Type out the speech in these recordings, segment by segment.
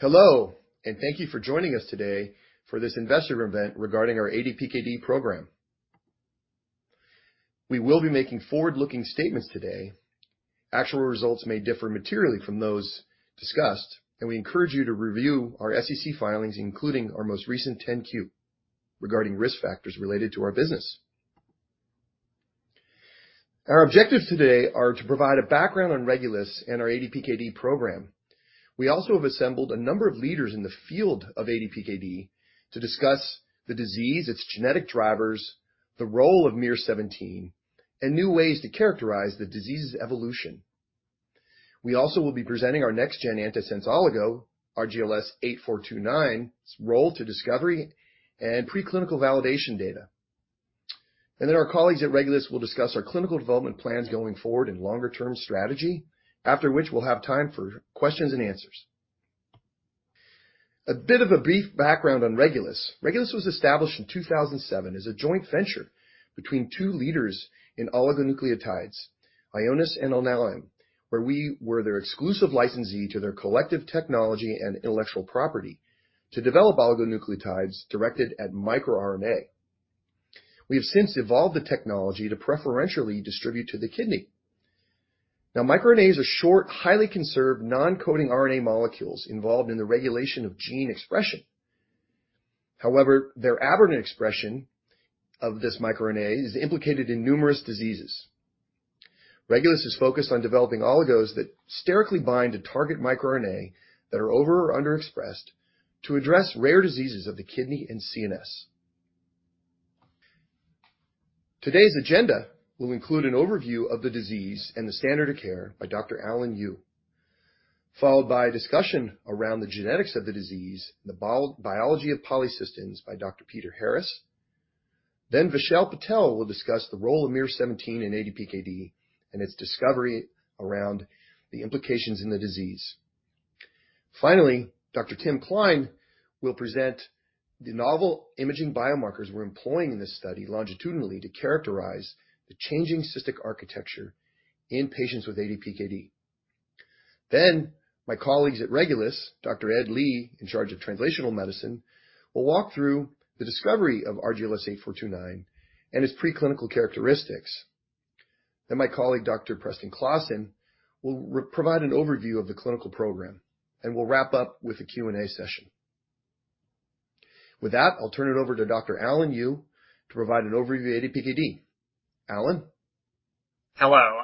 Hello, and thank you for joining us today for this investor event regarding our ADPKD program. We will be making forward-looking statements today. Actual results may differ materially from those discussed, and we encourage you to review our SEC filings, including our most recent 10-Q regarding risk factors related to our business. Our objectives today are to provide a background on Regulus and our ADPKD program. We also have assembled a number of leaders in the field of ADPKD to discuss the disease, its genetic drivers, the role of miR-17, and new ways to characterize the disease's evolution. We also will be presenting our next gen antisense oligo, RGLS8429, its role to discovery and preclinical validation data. And then our colleagues at Regulus will discuss our clinical development plans going forward and longer-term strategy, after which we'll have time for questions and answers. A bit of a brief background on Regulus. Regulus was established in 2007 as a joint venture between two leaders in oligonucleotides, Ionis and Alnylam, where we were their exclusive licensee to their collective technology and intellectual property to develop oligonucleotides directed at microRNA. We have since evolved the technology to preferentially distribute to the kidney. Now, microRNAs are short, highly conserved, non-coding RNA molecules involved in the regulation of gene expression. However, their aberrant expression of this microRNA is implicated in numerous diseases. Regulus is focused on developing oligos that sterically bind to target microRNA that are over or under expressed to address rare diseases of the kidney and CNS. Today's agenda will include an overview of the disease and the standard of care by Dr. Alan Yu, followed by a discussion around the genetics of the disease, the biology of polycystins by Dr. Peter Harris. Then Vishal Patel will discuss the role of miR-17 in ADPKD and its discovery around the implications in the disease. Finally, Dr. Tim Klein will present the novel imaging biomarkers we're employing in this study longitudinally to characterize the changing cystic architecture in patients with ADPKD. Then my colleagues at Regulus, Dr. Ed Lee, in charge of Translational Medicine, will walk through the discovery of RGLS8429 and its preclinical characteristics. Then my colleague, Dr. Preston Klassen, will provide an overview of the clinical program, and we'll wrap up with a Q&A session. With that, I'll turn it over to Dr. Alan Yu to provide an overview of ADPKD. Alan? Hello,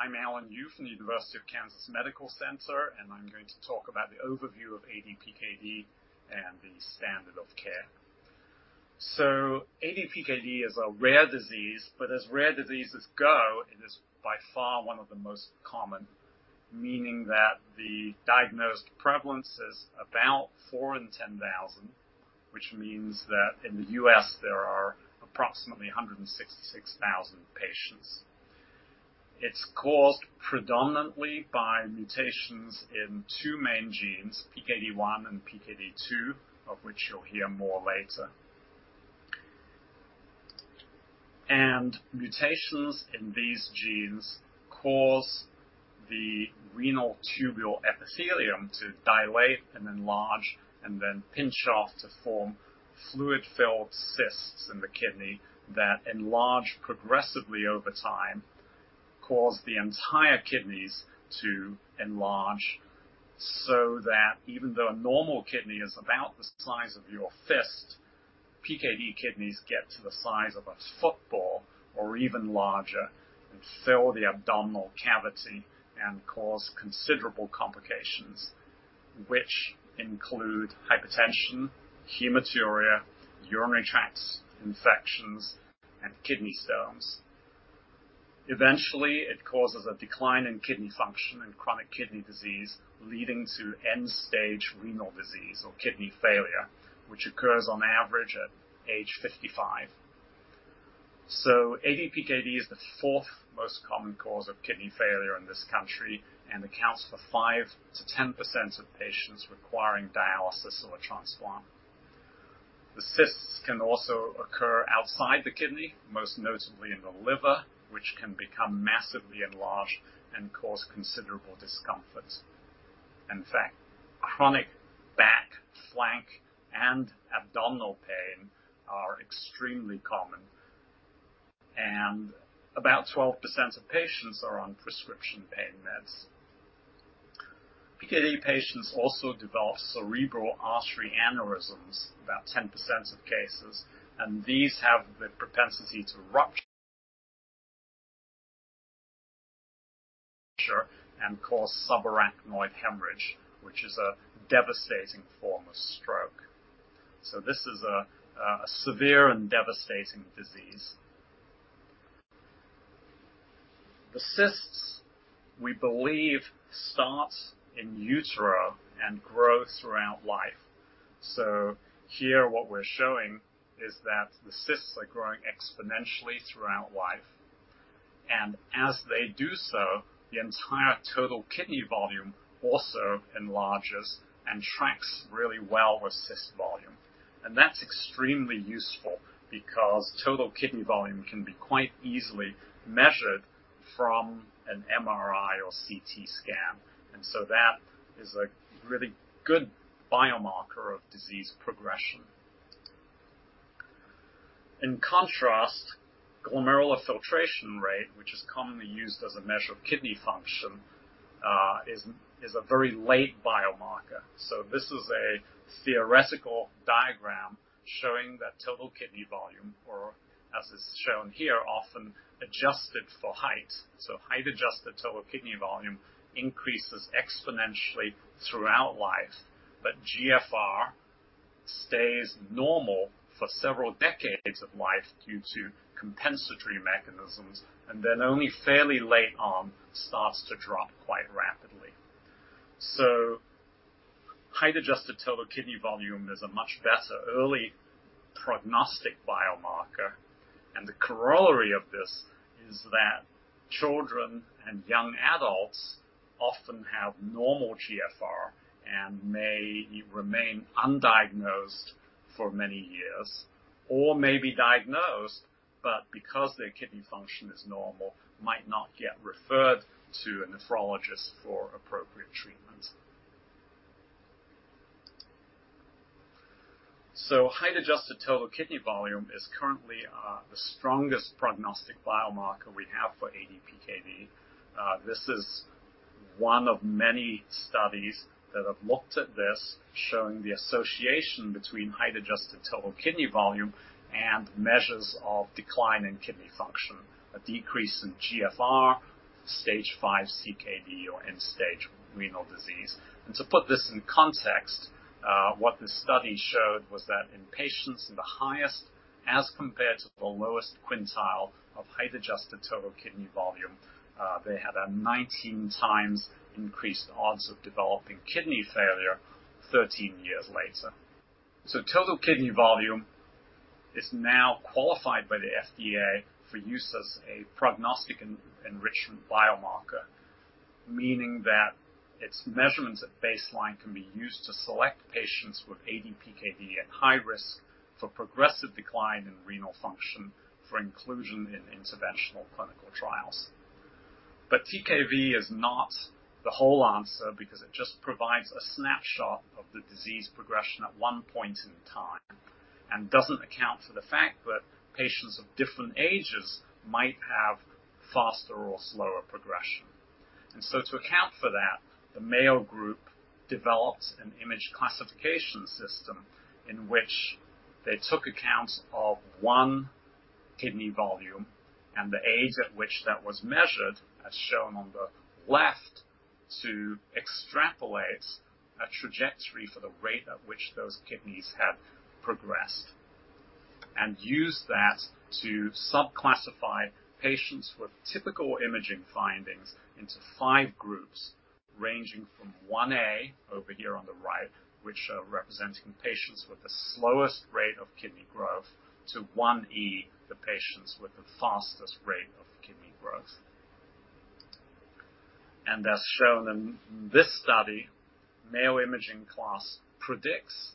I'm Alan Yu from the University of Kansas Medical Center, and I'm going to talk about the overview of ADPKD and the standard of care. ADPKD is a rare disease, but as rare diseases go, it is by far one of the most common, meaning that the diagnosed prevalence is about four in 10,000, which means that in the U.S., there are approximately 166,000 patients. It's caused predominantly by mutations in two main genes, PKD1 and PKD2, of which you'll hear more later. Mutations in these genes cause the renal tubule epithelium to dilate and enlarge, and then pinch off to form fluid-filled cysts in the kidney that enlarge progressively over time, cause the entire kidneys to enlarge, so that even though a normal kidney is about the size of your fist, PKD kidneys get to the size of a football or even larger, and fill the abdominal cavity and cause considerable complications, which include hypertension, hematuria, urinary tract infections, and kidney stones. Eventually, it causes a decline in kidney function and chronic kidney disease, leading to end-stage renal disease or kidney failure, which occurs on average at age 55. ADPKD is the fourth most common cause of kidney failure in this country and accounts for 5%-10% of patients requiring dialysis or a transplant. The cysts can also occur outside the kidney, most notably in the liver, which can become massively enlarged and cause considerable discomfort. In fact, chronic back, flank, and abdominal pain are extremely common, and about 12% of patients are on prescription pain meds. PKD patients also develop cerebral artery aneurysms, about 10% of cases, and these have the propensity to rupture and cause subarachnoid hemorrhage, which is a devastating form of stroke. So this is a severe and devastating disease. The cysts, we believe, start in utero and grow throughout life. So here, what we're showing is that the cysts are growing exponentially throughout life, and as they do so, the entire total kidney volume also enlarges and tracks really well with cyst volume. And that's extremely useful because total kidney volume can be quite easily measure. From an MRI or CT scan, and so that is a really good biomarker of disease progression. In contrast, glomerular filtration rate, which is commonly used as a measure of kidney function, is a very late biomarker. So this is a theoretical diagram showing that total kidney volume, or as is shown here, often adjusted for height. So height-adjusted total kidney volume increases exponentially throughout life, but GFR stays normal for several decades of life due to compensatory mechanisms, and then only fairly late on, starts to drop quite rapidly. So height-adjusted total kidney volume is a much better early prognostic biomarker, and the corollary of this is that children and young adults often have normal GFR and may remain undiagnosed for many years, or may be diagnosed, but because their kidney function is normal, might not get referred to a nephrologist for appropriate treatment. So height-adjusted total kidney volume is currently, the strongest prognostic biomarker we have for ADPKD. This is one of many studies that have looked at this, showing the association between height-adjusted total kidney volume and measures of decline in kidney function, a decrease in GFR, stage 5 CKD or end-stage renal disease. And to put this in context, what this study showed was that in patients in the highest as compared to the lowest quintile of height-adjusted total kidney volume, they had a 19 times increased odds of developing kidney failure 13 years later. So total kidney volume is now qualified by the FDA for use as a prognostic enrichment biomarker, meaning that its measurements at baseline can be used to select patients with ADPKD at high risk for progressive decline in renal function for inclusion in interventional clinical trials. But TKV is not the whole answer because it just provides a snapshot of the disease progression at one point in time, and doesn't account for the fact that patients of different ages might have faster or slower progression. To account for that, the Mayo Group developed an imaging classification system in which they took accounts of one kidney volume and the age at which that was measured, as shown on the left, to extrapolate a trajectory for the rate at which those kidneys have progressed, and used that to sub-classify patients with typical imaging findings into five groups, ranging from 1A, over here on the right, which are representing patients with the slowest rate of kidney growth, to 1E, the patients with the fastest rate of kidney growth. As shown in this study, Mayo Imaging Class predicts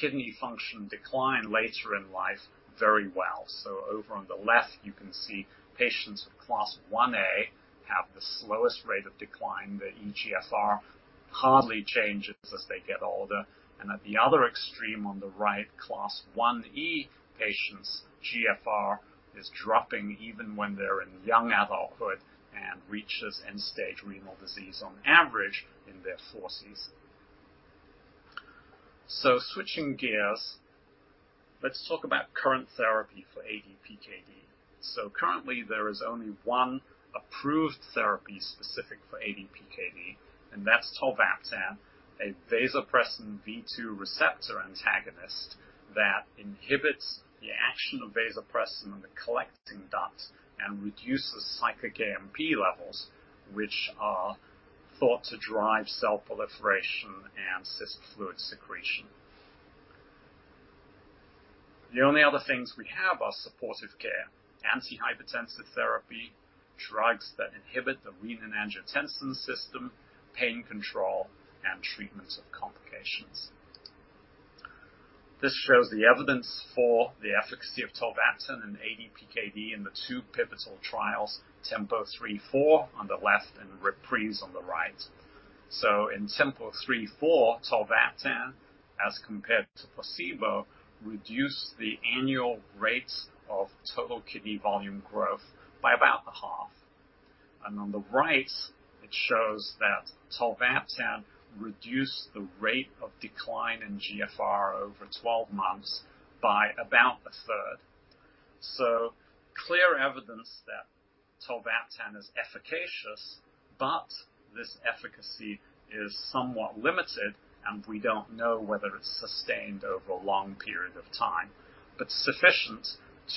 kidney function decline later in life very well. So over on the left, you can see patients with class 1A have the slowest rate of decline. The eGFR hardly changes as they get older, and at the other extreme, on the right, class 1E patients' GFR is dropping even when they're in young adulthood and reaches end-stage renal disease on average in their forties. So switching gears, let's talk about current therapy for ADPKD. So currently, there is only one approved therapy specific for ADPKD, and that's tolvaptan, a vasopressin V2 receptor antagonist that inhibits the action of vasopressin in the collecting duct and reduces cyclic AMP levels, which are thought to drive cell proliferation and cyst fluid secretion. The only other things we have are supportive care, antihypertensive therapy, drugs that inhibit the renin-angiotensin system, pain control, and treatments of complications. This shows the evidence for the efficacy of tolvaptan in ADPKD in the two pivotal trials, TEMPO 3:4 on the left and REPRISE on the right. So in TEMPO 3:4, tolvaptan, as compared to placebo, reduced the annual rates of total kidney volume growth by about a half. And on the right, it shows that tolvaptan reduced the rate of decline in GFR over 12 months by about a third. So clear evidence that tolvaptan is efficacious, but this efficacy is somewhat limited, and we don't know whether it's sustained over a long period of time, but sufficient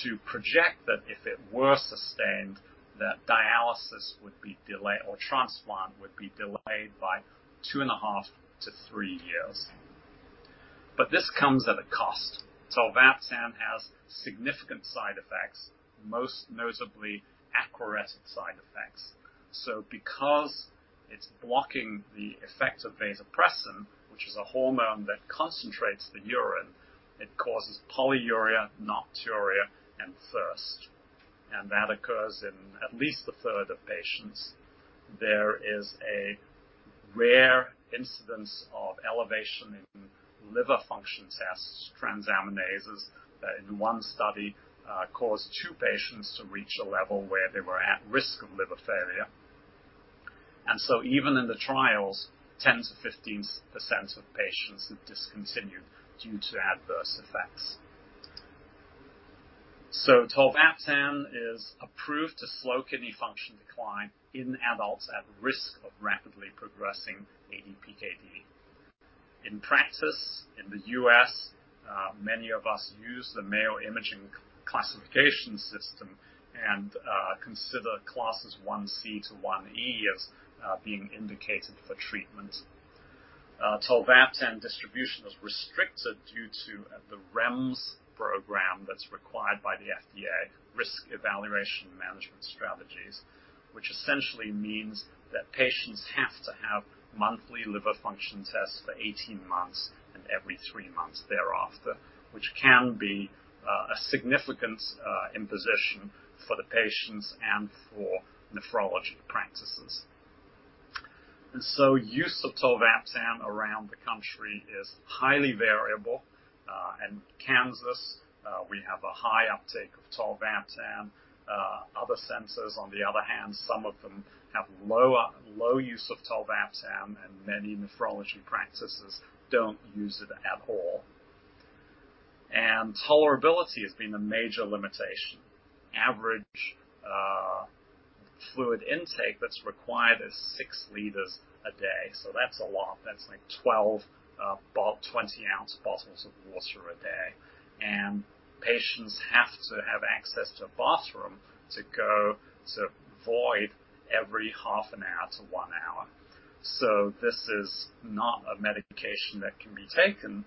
to project that if it were sustained, that dialysis would be delayed or transplant would be delayed by 2.5-three years. But this comes at a cost. tolvaptan has significant side effects, most notably aquaresis side effects. So because it's blocking the effects of vasopressin, which is a hormone that concentrates the urine, it causes polyuria, nocturia, and thirst, and that occurs in at least a third of patients. There is a rare incidence of elevation in liver function tests, transaminases, that in one study caused two patients to reach a level where they were at risk of liver failure. And so even in the trials, 10%-15% of patients have discontinued due to adverse effects. So tolvaptan is approved to slow kidney function decline in adults at risk of rapidly progressing ADPKD. In practice, in the US, many of us use the Mayo Imaging Classification system and consider classes 1C to 1E as being indicated for treatment. tolvaptan distribution is restricted due to the REMS program that's required by the FDA, Risk Evaluation and Mitigation Strategy, which essentially means that patients have to have monthly liver function tests for 18 months and every three months thereafter, which can be a significant imposition for the patients and for nephrology practices. Use of tolvaptan around the country is highly variable. In Kansas, we have a high uptake of tolvaptan. Other centers, on the other hand, some of them have low use of tolvaptan, and many nephrology practices don't use it at all. Tolerability has been a major limitation. Average fluid intake that's required is six liters a day, so that's a lot. That's like 12 twenty-ounce bottles of water a day. Patients have to have access to a bathroom to go to void every half an hour to one hour. So this is not a medication that can be taken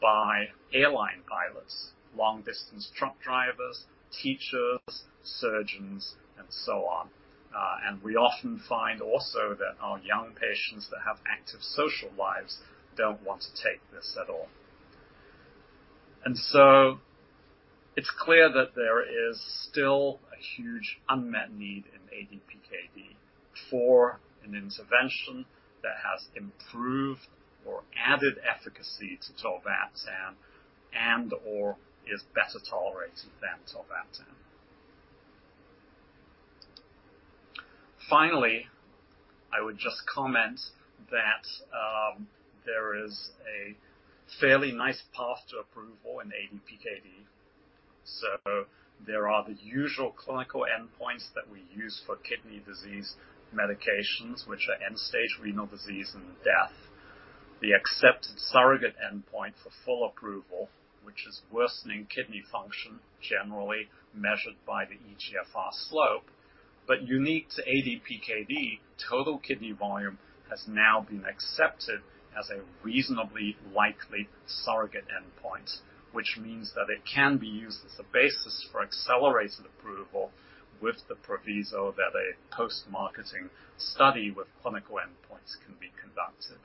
by airline pilots, long-distance truck drivers, teachers, surgeons, and so on. And we often find also that our young patients that have active social lives don't want to take this at all. And so it's clear that there is still a huge unmet need in ADPKD for an intervention that has improved or added efficacy to tolvaptan and/or is better tolerated than tolvaptan. Finally, I would just comment that there is a fairly nice path to approval in ADPKD. So there are the usual clinical endpoints that we use for kidney disease medications, which are end-stage renal disease and death. The accepted surrogate endpoint for full approval, which is worsening kidney function, generally measured by the eGFR slope. But unique to ADPKD, total kidney volume has now been accepted as a reasonably likely surrogate endpoint, which means that it can be used as a basis for accelerated approval, with the proviso that a post-marketing study with clinical endpoints can be conducted.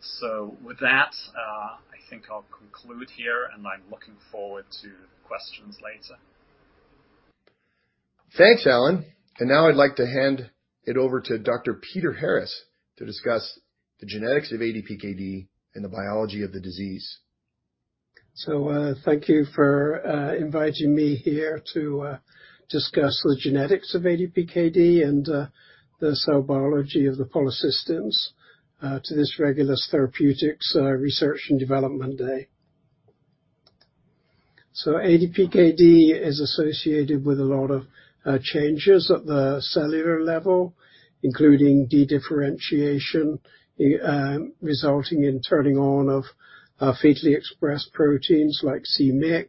So with that, I think I'll conclude here, and I'm looking forward to the questions later. Thanks, Alan. And now I'd like to hand it over to Dr. Peter Harris to discuss the genetics of ADPKD and the biology of the disease. So, thank you for inviting me here to discuss the genetics of ADPKD and the cell biology of the polycystins to this Regulus Therapeutics Research and Development Day. So ADPKD is associated with a lot of changes at the cellular level, including dedifferentiation resulting in turning on of fetally expressed proteins like c-Myc.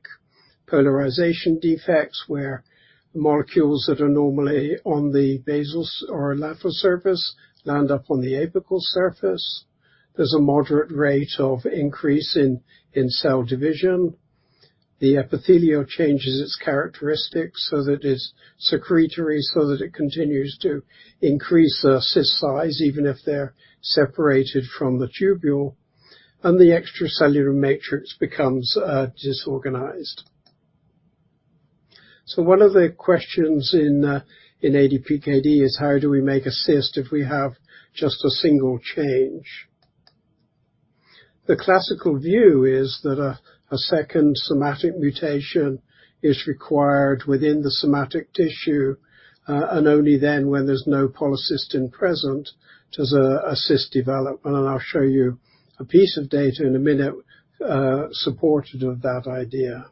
Polarization defects, where molecules that are normally on the basal or lateral surface land up on the apical surface. There's a moderate rate of increase in cell division. The epithelium changes its characteristics, so that it's secretory, so that it continues to increase the cyst size, even if they're separated from the tubule, and the extracellular matrix becomes disorganized. So one of the questions in ADPKD is: How do we make a cyst if we have just a single change? The classical view is that a second somatic mutation is required within the somatic tissue, and only then, when there's no polycystin present, does a cyst develop. I'll show you a piece of data in a minute, supportive of that idea.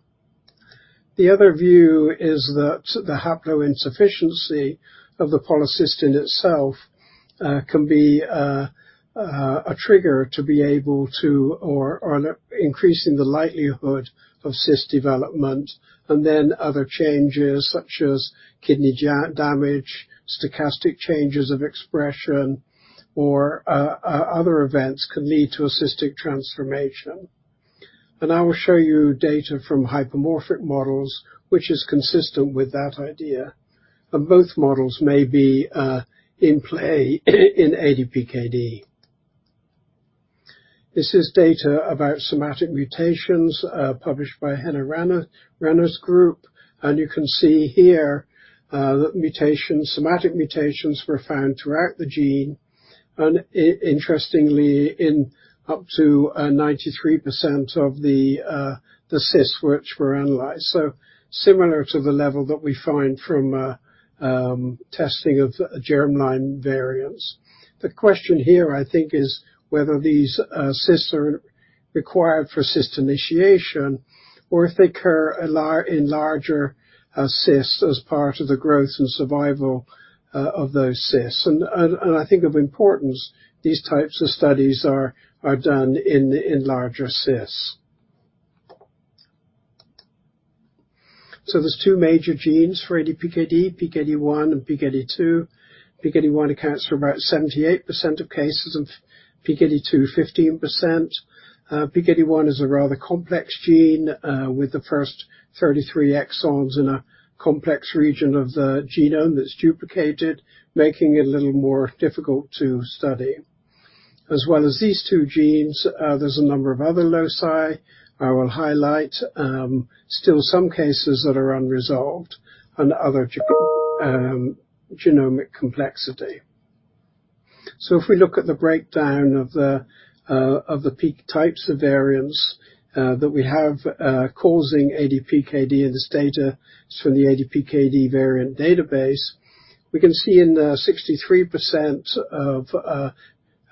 The other view is that the haploinsufficiency of the polycystin itself can be a trigger or increasing the likelihood of cyst development, and then other changes such as kidney injury damage, stochastic changes of expression, or other events can lead to a cystic transformation, and I will show you data from hypomorphic models, which is consistent with that idea, and both models may be in play in ADPKD. This is data about somatic mutations, published by Hanna Renner, Renner's group, and you can see here that mutations, somatic mutations were found throughout the gene and interestingly, in up to 93% of the cysts which were analyzed. So similar to the level that we find from testing of germline variants. The question here, I think, is whether these cysts are required for cyst initiation or if they occur in larger cysts as part of the growth and survival of those cysts. And I think of importance, these types of studies are done in larger cysts. So there's two major genes for ADPKD, PKD1 and PKD2. PKD1 accounts for about 78% of cases, and PKD2, 15%. PKD1 is a rather complex gene, with the first 33 exons in a complex region of the genome that's duplicated, making it a little more difficult to study. As well as these two genes, there's a number of other loci I will highlight. Still some cases that are unresolved and other, genomic complexity. So if we look at the breakdown of the, of the PK types of variants, that we have, causing ADPKD, and this data is from the ADPKD variant database, we can see in the 63% of,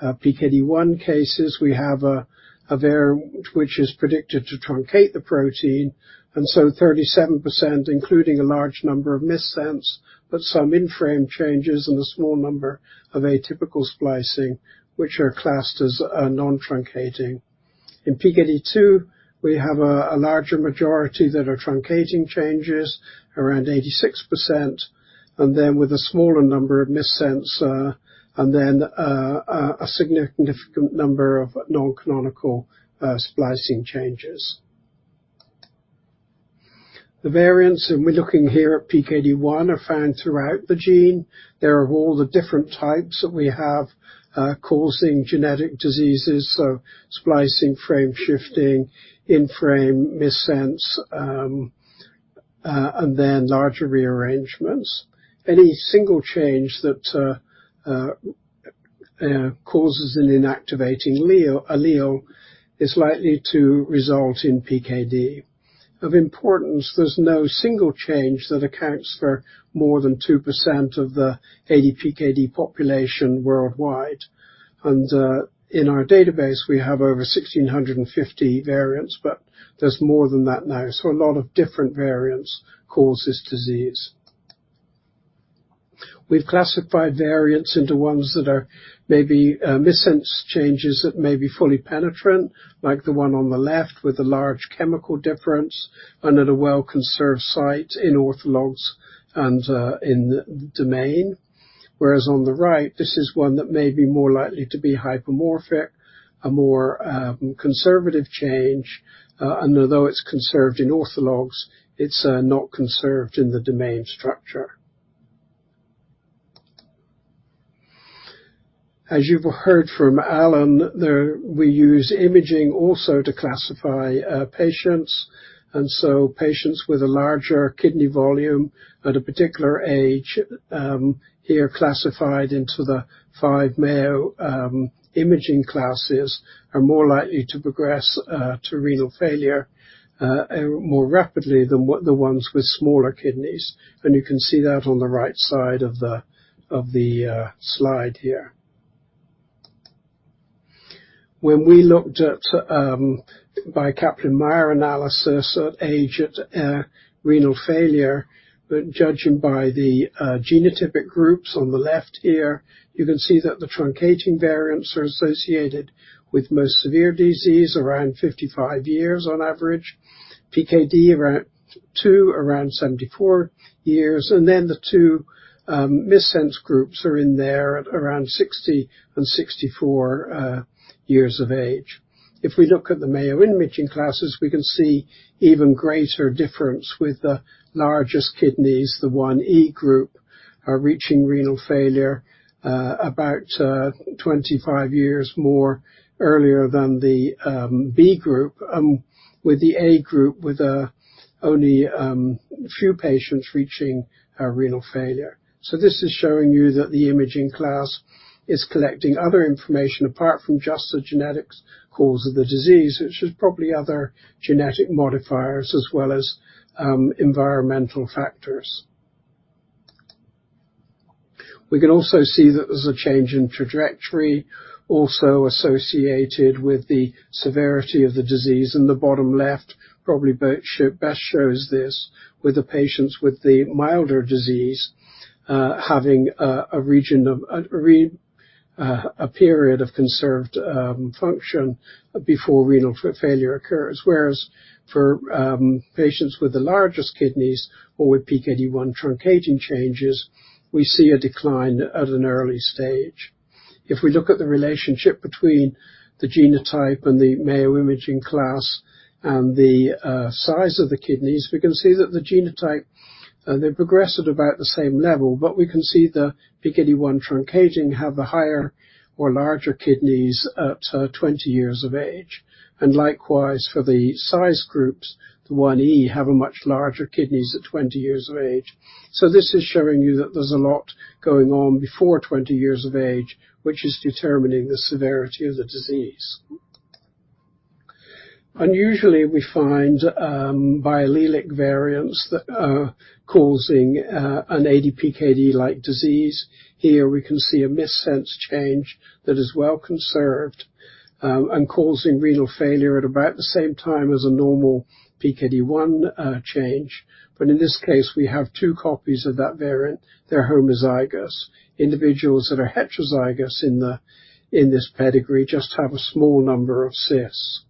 PKD1 cases, we have a variant which is predicted to truncate the protein, and so 37%, including a large number of missense, but some in-frame changes and a small number of atypical splicing, which are classed as, non-truncating. In PKD2, we have a larger majority that are truncating changes, around 86%, and then with a smaller number of missense, and then a significant number of non-canonical splicing changes. The variants, and we're looking here at PKD1, are found throughout the gene. They're of all the different types that we have causing genetic diseases, so splicing, frame shifting, in-frame, missense, and then larger rearrangements. Any single change that causes an inactivating lethal allele is likely to result in PKD. Of importance, there's no single change that accounts for more than 2% of the ADPKD population worldwide, and in our database, we have over 1,650 variants, but there's more than that now. So a lot of different variants cause this disease. We've classified variants into ones that are maybe missense changes that may be fully penetrant, like the one on the left with a large chemical difference and at a well-conserved site in orthologs and in the domain. Whereas on the right, this is one that may be more likely to be hypomorphic, a more conservative change, and although it's conserved in orthologs, it's not conserved in the domain structure. As you've heard from Alan, there we use imaging also to classify patients. And so patients with a larger kidney volume at a particular age here classified into the five Mayo imaging classes are more likely to progress to renal failure more rapidly than the ones with smaller kidneys, and you can see that on the right side of the slide here. When we looked at by Kaplan-Meier analysis at age, renal failure, but judging by the genotypic groups on the left here, you can see that the truncating variants are associated with most severe disease, around 55 years on average, PKD2 around 74 years, and then the two missense groups are in there at around 60 and 64 years of age. If we look at the Mayo imaging classes, we can see even greater difference with the largest kidneys. The 1E group are reaching renal failure about 25 years more earlier than the 1B group, with the 1A group, with only few patients reaching renal failure. So this is showing you that the imaging class is collecting other information apart from just the genetic cause of the disease, which is probably other genetic modifiers as well as environmental factors. We can also see that there's a change in trajectory also associated with the severity of the disease, and the bottom left probably best shows this, with the patients with the milder disease having a region of a period of conserved function before renal failure occurs. Whereas for patients with the largest kidneys or with PKD1 truncating changes, we see a decline at an early stage. If we look at the relationship between the genotype and the Mayo imaging class and the size of the kidneys, we can see that the genotype they progress at about the same level, but we can see the PKD1 truncating have the higher or larger kidneys at 20 years of age. And likewise, for the size groups, the 1E have a much larger kidneys at 20 years of age. So this is showing you that there's a lot going on before 20 years of age, which is determining the severity of the disease. Unusually, we find biallelic variants that are causing an ADPKD-like disease. Here, we can see a missense change that is well conserved and causing renal failure at about the same time as a normal PKD1 change. But in this case, we have two copies of that variant. They're homozygous. Individuals that are heterozygous in this pedigree just have a small number of cysts.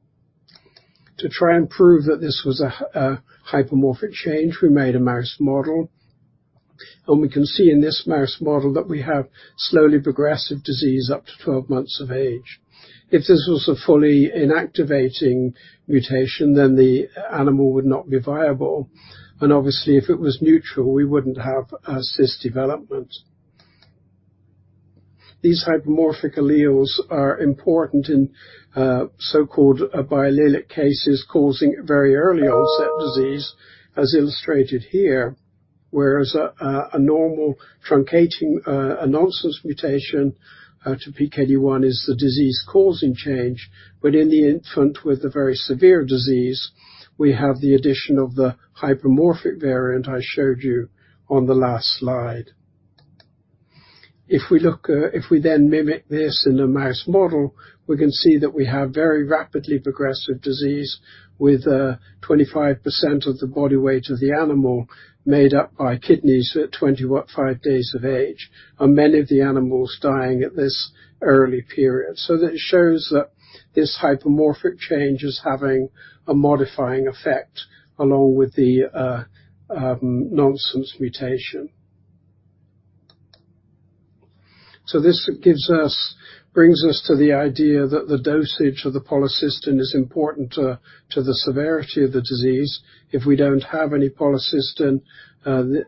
To try and prove that this was a hypomorphic change, we made a mouse model, and we can see in this mouse model that we have slowly progressive disease up to 12 months of age. If this was a fully inactivating mutation, then the animal would not be viable, and obviously, if it was neutral, we wouldn't have cyst development. These hypomorphic alleles are important in so-called biallelic cases, causing very early onset disease, as illustrated here. Whereas a normal truncating nonsense mutation to PKD1 is the disease-causing change, but in the infant with a very severe disease, we have the addition of the hypomorphic variant I showed you on the last slide. If we look, if we then mimic this in a mouse model, we can see that we have very rapidly progressive disease, with 25% of the body weight of the animal made up by kidneys at 25 days of age, and many of the animals dying at this early period. So that shows that this hypomorphic change is having a modifying effect along with the nonsense mutation. So this gives us, brings us to the idea that the dosage of the polycystin is important to the severity of the disease. If we don't have any polycystin,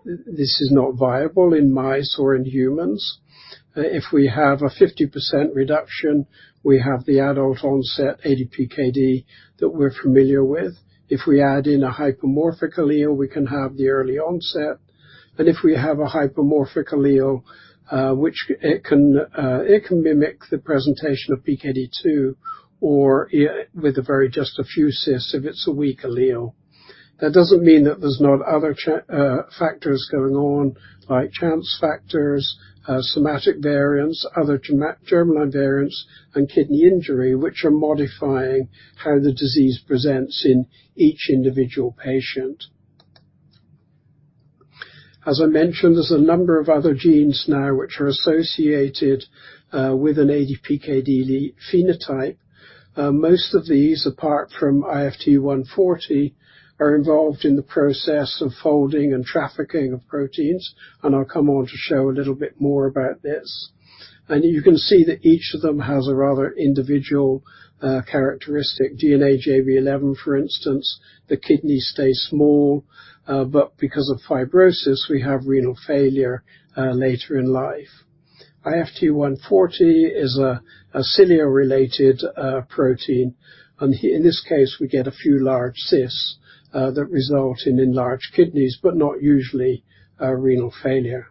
this is not viable in mice or in humans. If we have a 50% reduction, we have the adult-onset ADPKD that we're familiar with. If we add in a hypomorphic allele, we can have the early onset, and if we have a hypomorphic allele, which it can mimic the presentation of PKD2 or with a very just a few cysts if it's a weak allele. That doesn't mean that there's not other chance factors going on, like chance factors, somatic variants, other germline variants, and kidney injury, which are modifying how the disease presents in each individual patient. As I mentioned, there's a number of other genes now which are associated with an ADPKD phenotype. Most of these, apart from IFT140, are involved in the process of folding and trafficking of proteins, and I'll come on to show a little bit more about this. And you can see that each of them has a rather individual characteristic. DNAJB11, for instance, the kidneys stay small, but because of fibrosis, we have renal failure later in life. IFT140 is a cilia-related protein, and in this case, we get a few large cysts that result in enlarged kidneys, but not usually renal failure.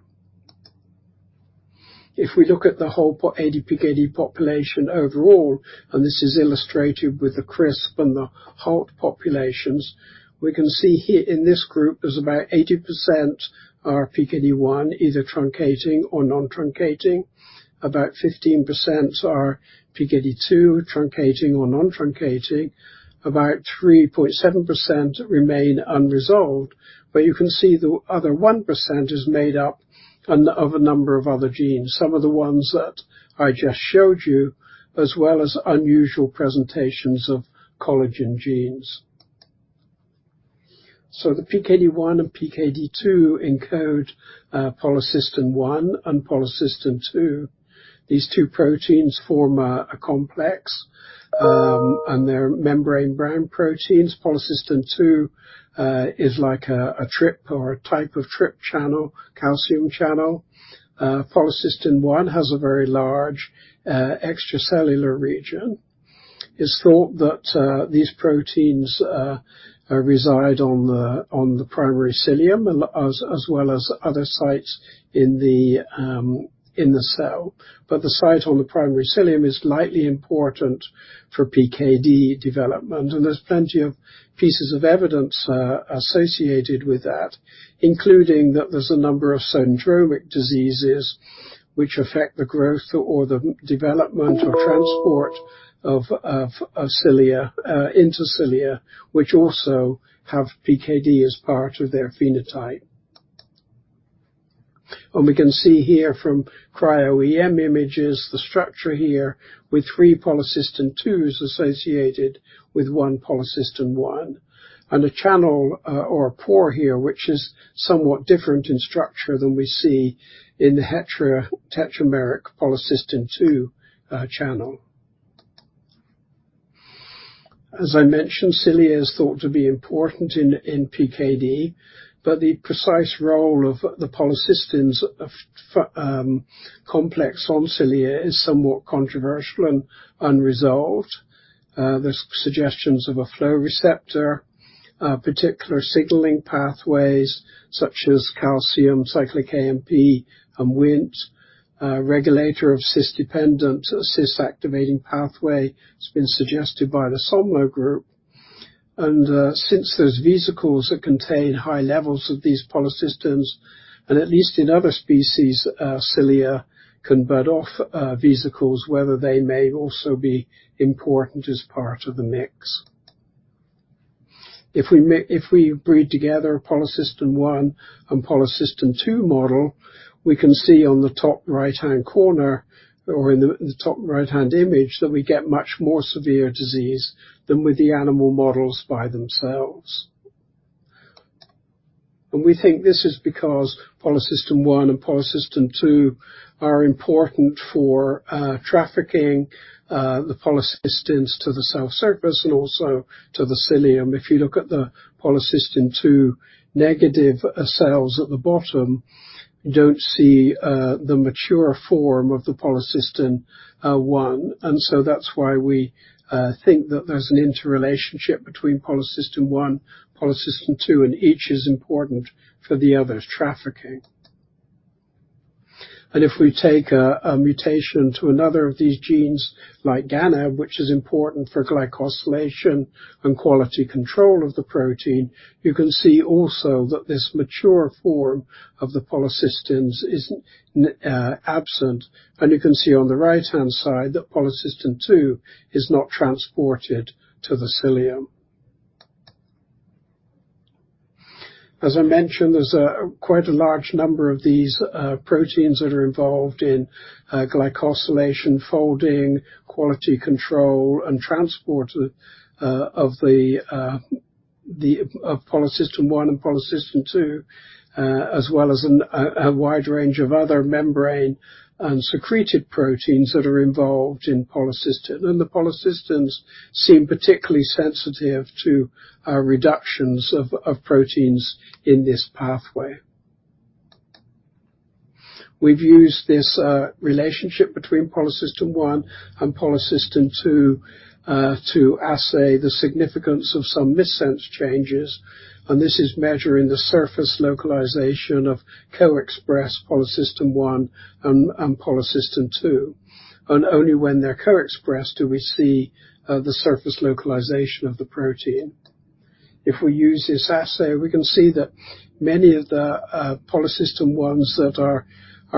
If we look at the whole PKD, ADPKD population overall, and this is illustrated with the CRISP and the HALT populations, we can see here in this group, there's about 80% are PKD1, either truncating or non-truncating. About 15% are PKD2, truncating or non-truncating. About 3.7% remain unresolved, but you can see the other 1% is made up of a number of other genes, some of the ones that I just showed you, as well as unusual presentations of collagen genes. So the PKD1 and PKD2 encode polycystin one and polycystin two. These two proteins form a complex, and they're membrane-bound proteins. Polycystin-2 is like a TRP or a type of TRP channel, calcium channel. Polycystin-1 has a very large extracellular region. It's thought that these proteins reside on the primary cilium, as well as other sites in the cell. But the site on the primary cilium is likely important for PKD development, and there's plenty of pieces of evidence associated with that, including that there's a number of syndromic diseases which affect the growth or the development or transport of cilia into cilia, which also have PKD as part of their phenotype. We can see here from cryo-EM images, the structure here with three Polycystin-2s associated with one Polycystin-1, and a channel or a pore here, which is somewhat different in structure than we see in the heterotetrameric Polycystin-2 channel. As I mentioned, cilia is thought to be important in PKD, but the precise role of the polycystins of complex on cilia is somewhat controversial and unresolved. There's suggestions of a flow receptor particular signaling pathways such as calcium, cyclic AMP, and Wnt, a regulator of cis-dependent, cis-activating pathway. It's been suggested by the Somlo group. Since there's vesicles that contain high levels of these polycystins, and at least in other species, cilia can bud off vesicles, whether they may also be important as part of the mix. If we breed together a Polycystin-1 and Polycystin-2 model, we can see on the top right-hand corner or in the top right-hand image, that we get much more severe disease than with the animal models by themselves. And we think this is because Polycystin-1 and Polycystin-2 are important for trafficking the polycystins to the cell surface and also to the cilium. If you look at the Polycystin-2 negative cells at the bottom, you don't see the mature form of the polycystin one. And so that's why we think that there's an interrelationship between Polycystin-1, Polycystin-2, and each is important for the other's trafficking. If we take a mutation to another of these genes, like GANAB, which is important for glycosylation and quality control of the protein, you can see also that this mature form of the polycystins is absent, and you can see on the right-hand side that Polycystin-2 is not transported to the cilium. As I mentioned, there's quite a large number of these proteins that are involved in glycosylation, folding, quality control, and transport of the of Polycystin-1 and Polycystin-2, as well as a wide range of other membrane and secreted proteins that are involved in polycystin. The polycystins seem particularly sensitive to reductions of proteins in this pathway. We've used this relationship between Polycystin-1 and Polycystin-2 to assay the significance of some missense changes, and this is measuring the surface localization of co-expressed Polycystin-1 and Polycystin-2. And only when they're co-expressed, do we see the surface localization of the protein. If we use this assay, we can see that many of the Polycystin-1s that are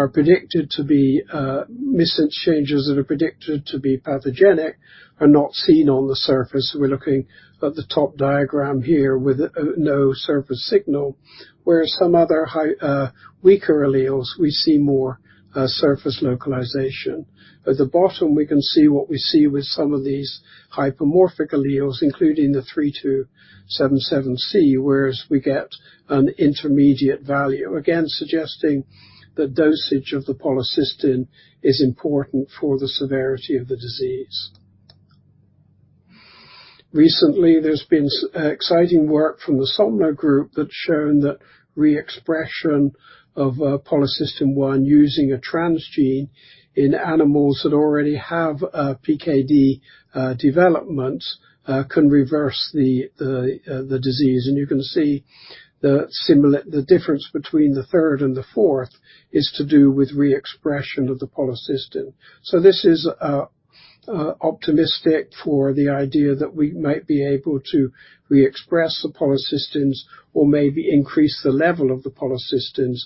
predicted to be missense changes that are predicted to be pathogenic are not seen on the surface. We're looking at the top diagram here with no surface signal, whereas some other high weaker alleles, we see more surface localization. At the bottom, we can see what we see with some of these hypomorphic alleles, including the 3277C, whereas we get an intermediate value. Again, suggesting that dosage of the polycystin is important for the severity of the disease. Recently, there's been exciting work from the Somlo group that's shown that reexpression of Polycystin-1 using a transgene in animals that already have PKD development can reverse the disease. And you can see the difference between the third and the fourth is to do with reexpression of the polycystin. So this is optimistic for the idea that we might be able to reexpress the polycystins or maybe increase the level of the polycystins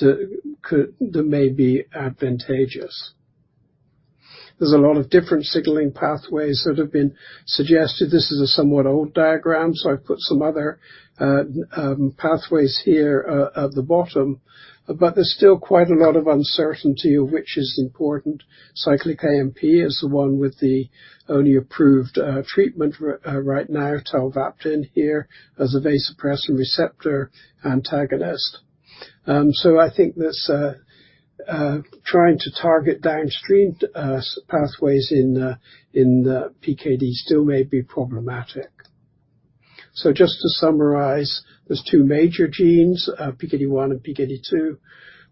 that may be advantageous. There's a lot of different signaling pathways that have been suggested. This is a somewhat old diagram, so I've put some other pathways here at the bottom, but there's still quite a lot of uncertainty of which is important. Cyclic AMP is the one with the only approved treatment right now, tolvaptan here, as a vasopressin receptor antagonist. So I think this trying to target downstream pathways in the PKD still may be problematic. So just to summarize, there's two major genes, PKD1 and PKD2,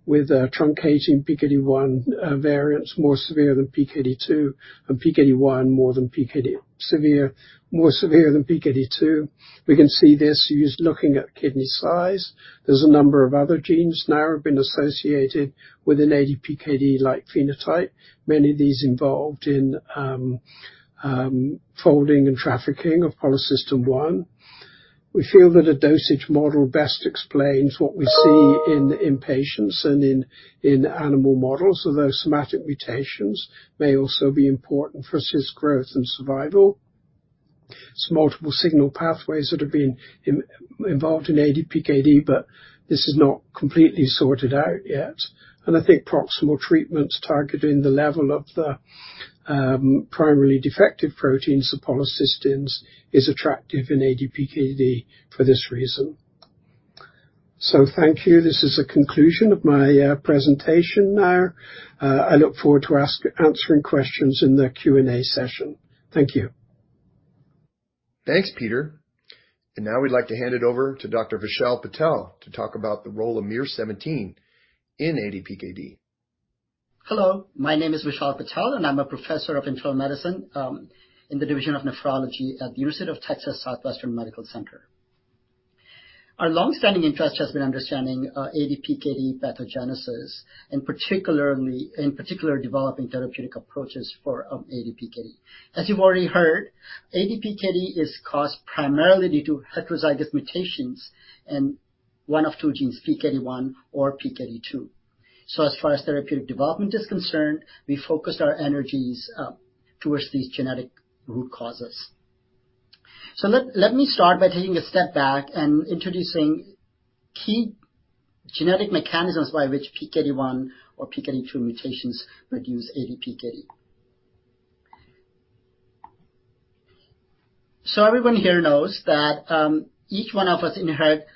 with a truncating PKD1 variants more severe than PKD2, and PKD1, more than PKD, more severe than PKD2. We can see this just looking at kidney size. There's a number of other genes now that have been associated with an ADPKD-like phenotype. Many of these involved in folding and trafficking of Polycystin-1. We feel that a dosage model best explains what we see in patients and in animal models, although somatic mutations may also be important for cyst growth and survival. It's multiple signal pathways that have been involved in ADPKD, but this is not completely sorted out yet. I think proximal treatments targeting the level of the primarily defective proteins, the polycystins, is attractive in ADPKD for this reason. So thank you. This is the conclusion of my presentation now. I look forward to answering questions in the Q&A session. Thank you. Thanks, Peter. And now we'd like to hand it over to Dr. Vishal Patel to talk about the role of miR-17 in ADPKD. Hello, my name is Vishal Patel, and I'm a professor of internal medicine in the division of nephrology at the University of Texas Southwestern Medical Center. Our long-standing interest has been understanding ADPKD pathogenesis, and particularly, in particular, developing therapeutic approaches for ADPKD. As you've already heard, ADPKD is caused primarily due to heterozygous mutations in one of two genes, PKD-one or PKD-two. So as far as therapeutic development is concerned, we focused our energies towards these genetic root causes. So let me start by taking a step back and introducing key genetic mechanisms by which PKD-one or PKD-two mutations produce ADPKD. So everyone here knows that each one of us inherit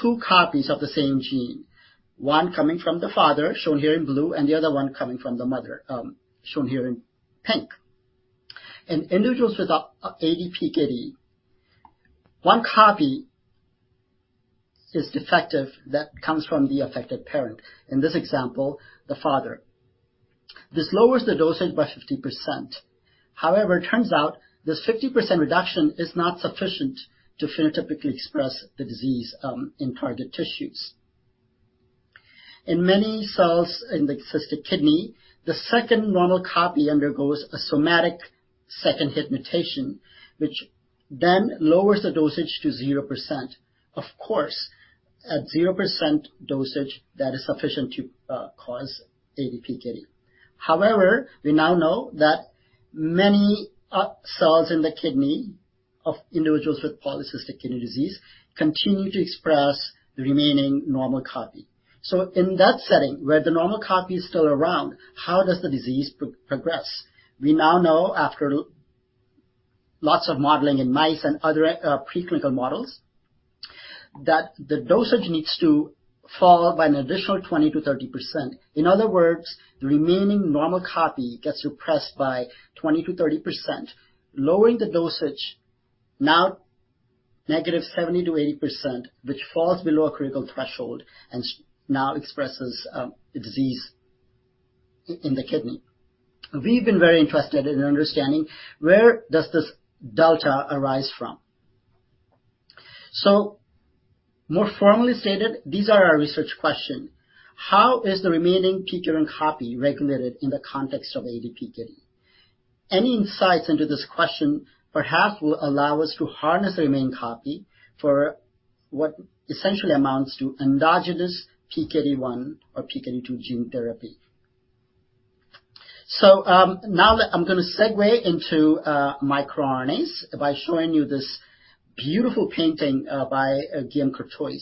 two copies of the same gene, one coming from the father, shown here in blue, and the other one coming from the mother shown here in pink. In individuals with ADPKD, one copy is defective that comes from the affected parent, in this example, the father. This lowers the dosage by 50%. However, it turns out this 50% reduction is not sufficient to phenotypically express the disease in target tissues. In many cells in the cystic kidney, the second normal copy undergoes a somatic second hit mutation, which then lowers the dosage to 0%. Of course, at 0% dosage, that is sufficient to cause ADPKD. However, we now know that many cells in the kidney of individuals with polycystic kidney disease continue to express the remaining normal copy. So in that setting, where the normal copy is still around, how does the disease progress? We now know, after lots of modeling in mice and other preclinical models, that the dosage needs to fall by an additional 20%-30%. In other words, the remaining normal copy gets suppressed by 20%-30%, lowering the dosage now -70% to -80%, which falls below a critical threshold and now expresses the disease in the kidney. We've been very interested in understanding where does this delta arise from? So more formally stated, these are our research question: How is the remaining PKD1 copy regulated in the context of ADPKD? Any insights into this question, perhaps, will allow us to harness the remaining copy for what essentially amounts to endogenous PKD1 or PKD2 gene therapy. So now that I'm gonna segue into microRNAs by showing you this beautiful painting by Guillaume Courtois.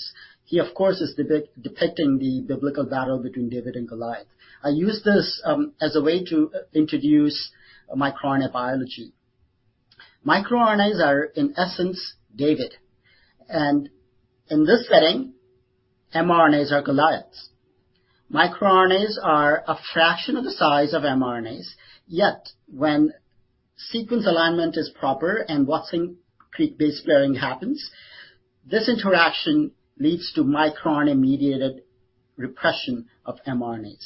He, of course, is depicting the biblical battle between David and Goliath. I use this as a way to introduce microRNA biology. MicroRNAs are, in essence, David, and in this setting, mRNAs are Goliaths. MicroRNAs are a fraction of the size of mRNAs, yet when sequence alignment is proper and Watson-Crick base pairing happens, this interaction leads to microRNA-mediated repression of mRNAs.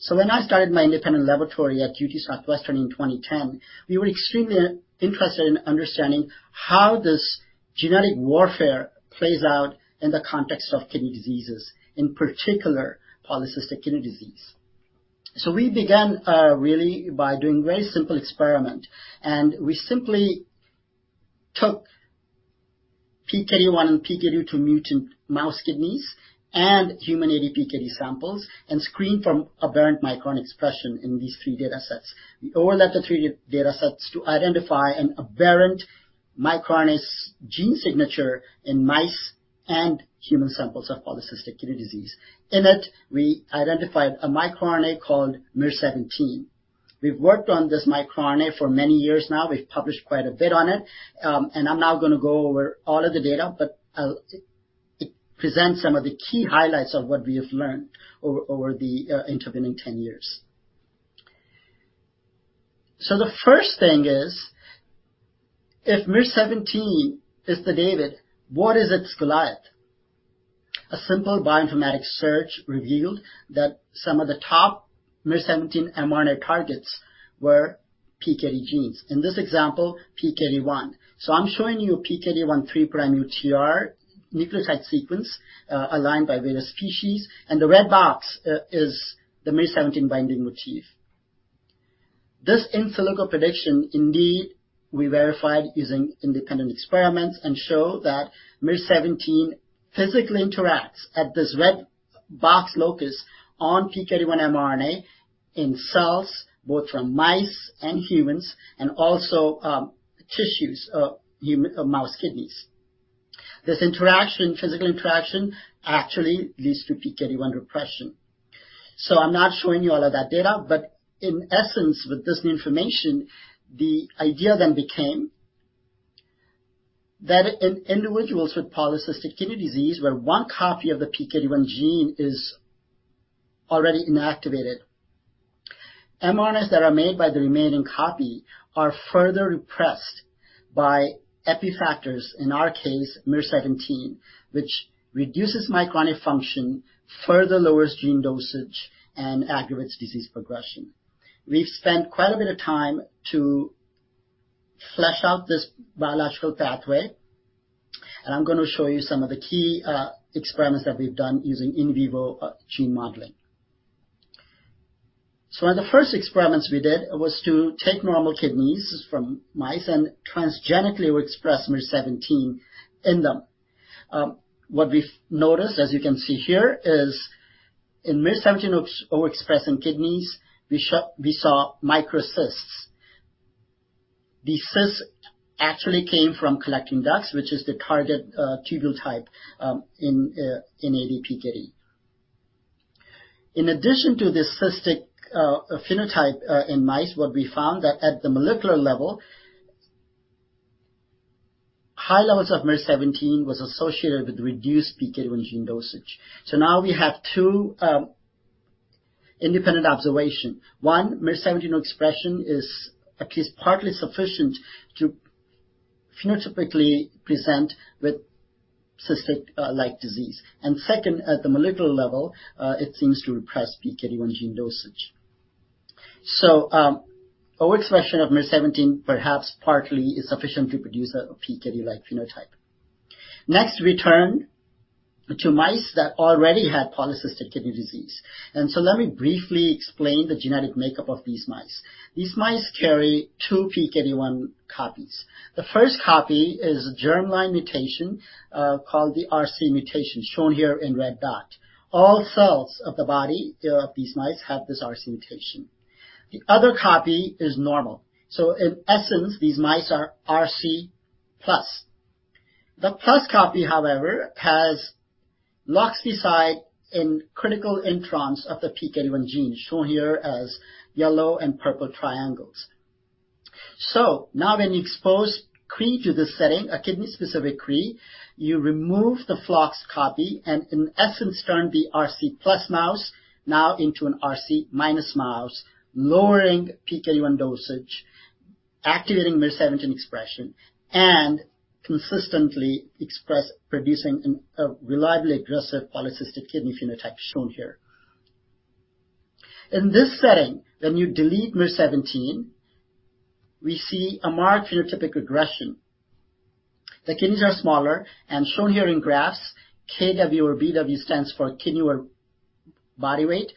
So when I started my independent laboratory at UT Southwestern in 2010, we were extremely interested in understanding how this genetic warfare plays out in the context of kidney diseases, in particular, polycystic kidney disease. So we began really by doing very simple experiment, and we simply took PKD1 and PKD2 mutant mouse kidneys and human ADPKD samples and screened for aberrant microRNA expression in these three datasets. We overlapped the three datasets to identify an aberrant microRNAs gene signature in mice and human samples of polycystic kidney disease. In it, we identified a microRNA called miR-17. We've worked on this microRNA for many years now. We've published quite a bit on it. And I'm not gonna go over all of the data, but it presents some of the key highlights of what we have learned over the intervening 10 years. So the first thing is, if miR-17 is the David, what is its Goliath? A simple bioinformatic search revealed that some of the top miR-17 mRNA targets were PKD genes, in this example, PKD1. So I'm showing you a PKD1 3' UTR nucleotide sequence aligned by various species, and the red box is the miR-17 binding motif. This in silico prediction, indeed, we verified using independent experiments and show that miR-17 physically interacts at this red box locus on PKD1 mRNA in cells, both from mice and humans, and also tissues of human, of mouse kidneys. This interaction, physical interaction, actually leads to PKD1 repression. So I'm not showing you all of that data, but in essence, with this new information, the idea then became that in individuals with polycystic kidney disease, where one copy of the PKD1 gene is already inactivated, mRNAs that are made by the remaining copy are further repressed by epi factors, in our case, miR-17, which reduces microRNA function, further lowers gene dosage, and aggravates disease progression. We've spent quite a bit of time to flesh out this biological pathway, and I'm gonna show you some of the key experiments that we've done using in vivo gene modeling. So one of the first experiments we did was to take normal kidneys from mice and transgenically express miR-17 in them. What we've noticed, as you can see here, is in miR-17 overexpressing kidneys, we saw microcysts. These cysts actually came from collecting ducts, which is the target tubule type in ADPKD. In addition to this cystic phenotype in mice, what we found that at the molecular level, high levels of miR-17 was associated with reduced PKD1 gene dosage. So now we have two independent observation. One, miR-17 expression is at least partly sufficient to phenotypically present with cystic like disease. And second, at the molecular level, it seems to repress PKD1 gene dosage. So, overexpression of miR-17, perhaps partly, is sufficient to produce a PKD-like phenotype. Next, we turn to mice that already had polycystic kidney disease. So let me briefly explain the genetic makeup of these mice. These mice carry two PKD1 copies. The first copy is a germline mutation, called the RC mutation, shown here in red dot. All cells of the body of these mice have this RC mutation. The other copy is normal. So in essence, these mice are RC plus. The plus copy, however, has loxP sites in critical introns of the PKD1 gene, shown here as yellow and purple triangles. So now when you expose Cre to this setting, a kidney-specific Cre, you remove the floxed copy, and in essence, turn the RC plus mouse now into an RC minus mouse, lowering PKD1 dosage, activating miR-17 expression, and consistently expressing, producing a reliably aggressive polycystic kidney phenotype, shown here. In this setting, when you delete miR-17, we see a marked phenotypic regression. The kidneys are smaller and shown here in graphs, KW or BW stands for kidney or body weight.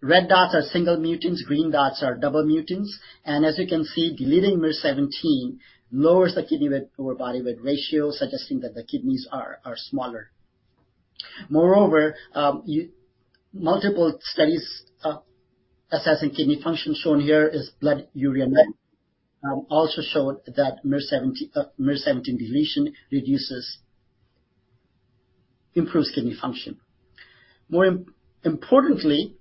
Red dots are single mutants, green dots are double mutants, and as you can see, deleting miR-17 lowers the kidney weight over body weight ratio, suggesting that the kidneys are smaller. Moreover, multiple studies assessing kidney function, shown here, is blood urea nitrogen, also showed that miR-17 deletion improves kidney function. More importantly,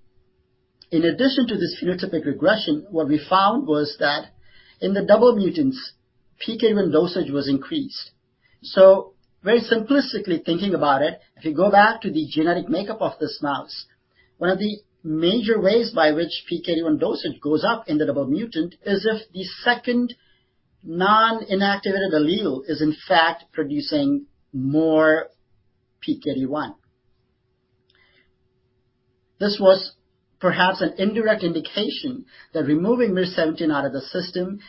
in addition to this phenotypic regression, what we found was that in the double mutants, PKD1 dosage was increased. So very simplistically thinking about it, if you go back to the genetic makeup of this mouse, one of the major ways by which PKD1 dosage goes up in the double mutant is if the second non-inactivated allele is, in fact, producing more PKD1. This was perhaps an indirect indication that removing miR-17 out of the system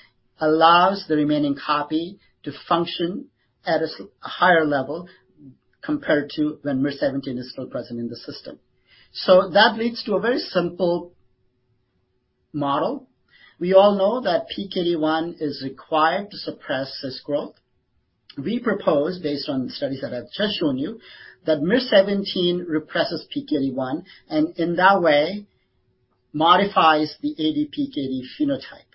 allows the remaining copy to function at a higher level compared to when miR-17 is still present in the system. So that leads to a very simple model. We all know that PKD1 is required to suppress this growth. We propose, based on the studies that I've just shown you, that miR-17 represses PKD1, and in that way, modifies the ADPKD phenotype.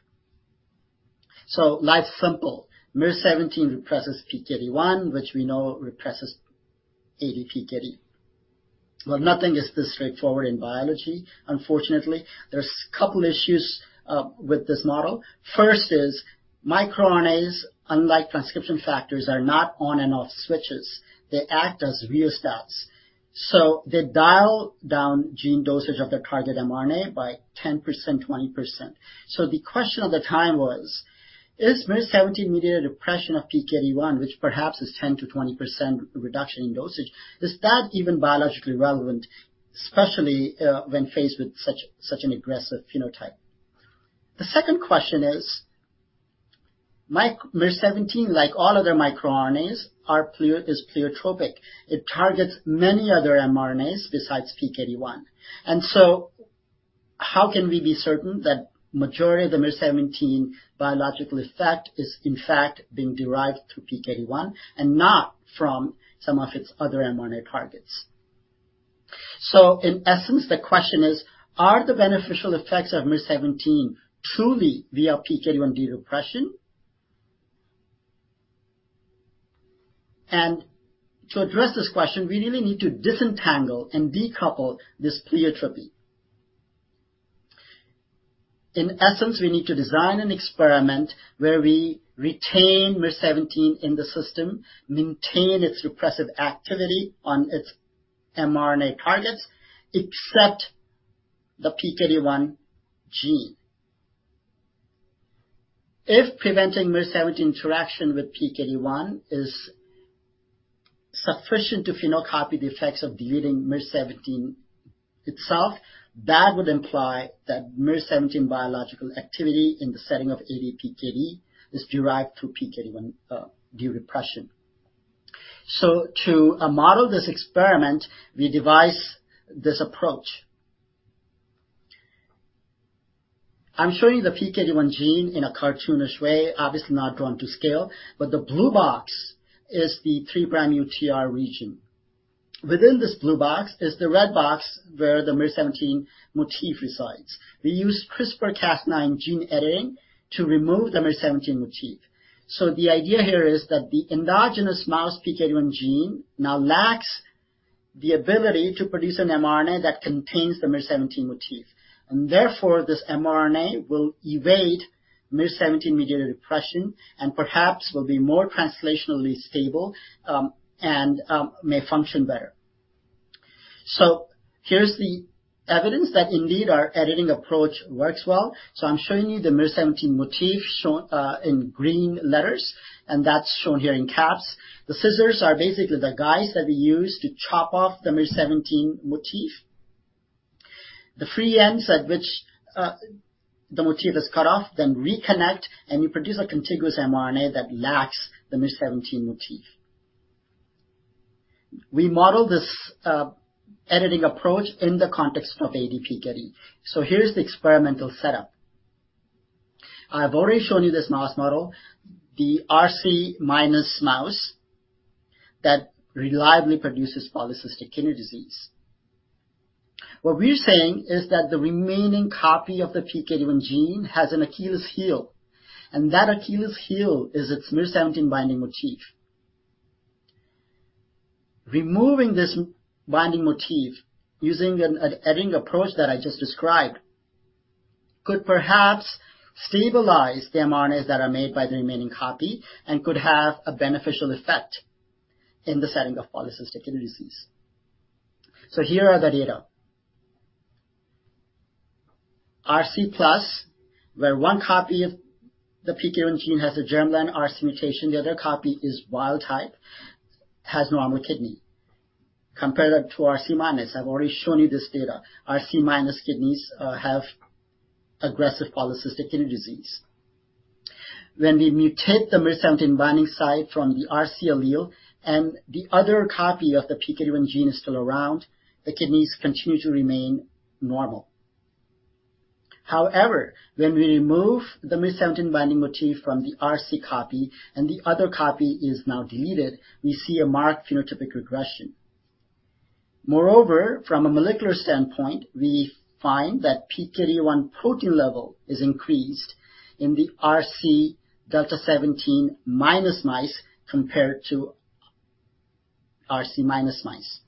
So life's simple, miR-17 represses PKD1, which we know represses ADPKD. Well, nothing is this straightforward in biology, unfortunately. There's a couple issues with this model. First is, microRNAs, unlike transcription factors, are not on and off switches. They act as rheostats. So they dial down gene dosage of their target mRNA by 10%, 20%. So the question at the time was: Is miR-17 mediated repression of PKD1, which perhaps is 10%-20% reduction in dosage, is that even biologically relevant, especially, when faced with such, such an aggressive phenotype? The second question is, miR-17, like all other microRNAs, are is pleiotropic. It targets many other mRNAs besides PKD1. And so... How can we be certain that majority of the miR-17 biological effect is in fact being derived through PKD1, and not from some of its other mRNA targets? So in essence, the question is, are the beneficial effects of miR-17 truly via PKD1 de-repression? To address this question, we really need to disentangle and decouple this pleiotropy. In essence, we need to design an experiment where we retain miR-17 in the system, maintain its repressive activity on its mRNA targets, except the PKD1 gene. If preventing miR-17 interaction with PKD1 is sufficient to phenocopy the effects of deleting miR-17 itself, that would imply that miR-17 biological activity in the setting of ADPKD is derived through PKD1 de-repression. To model this experiment, we devise this approach. I'm showing you the PKD1 gene in a cartoonish way, obviously not drawn to scale, but the blue box is the three prime UTR region. Within this blue box is the red box, where the miR-17 motif resides. We use CRISPR-Cas9 gene editing to remove the miR-17 motif. So the idea here is that the endogenous mouse PKD1 gene now lacks the ability to produce an mRNA that contains the miR-17 motif. And therefore, this mRNA will evade miR-17-mediated repression and perhaps will be more translationally stable, and may function better. So here's the evidence that indeed our editing approach works well. So I'm showing you the miR-17 motif shown in green letters, and that's shown here in caps. The scissors are basically the guides that we use to chop off the miR-17 motif. The free ends at which the motif is cut off, then reconnect, and we produce a contiguous mRNA that lacks the miR-17 motif. We model this editing approach in the context of ADPKD. So here's the experimental setup. I've already shown you this mouse model, the RC minus mouse, that reliably produces polycystic kidney disease. What we're saying is that the remaining copy of the PKD1 gene has an Achilles heel, and that Achilles heel is its miR-17 binding motif. Removing this binding motif, using an editing approach that I just described, could perhaps stabilize the mRNAs that are made by the remaining copy and could have a beneficial effect in the setting of polycystic kidney disease. So here are the data. RC plus, where one copy of the PKD1 gene has a germline RC mutation, the other copy is wild type, has normal kidney. Compare that to RC minus. I've already shown you this data. RC minus kidneys have aggressive polycystic kidney disease. When we mutate the miR-17 binding site from the RC allele and the other copy of the PKD1 gene is still around, the kidneys continue to remain normal. However, when we remove the miR-17 binding motif from the RC copy and the other copy is now deleted, we see a marked phenotypic regression. Moreover, from a molecular standpoint, we find that PKD1 protein level is increased in the RC delta 17 minus mice compared to RC minus mice.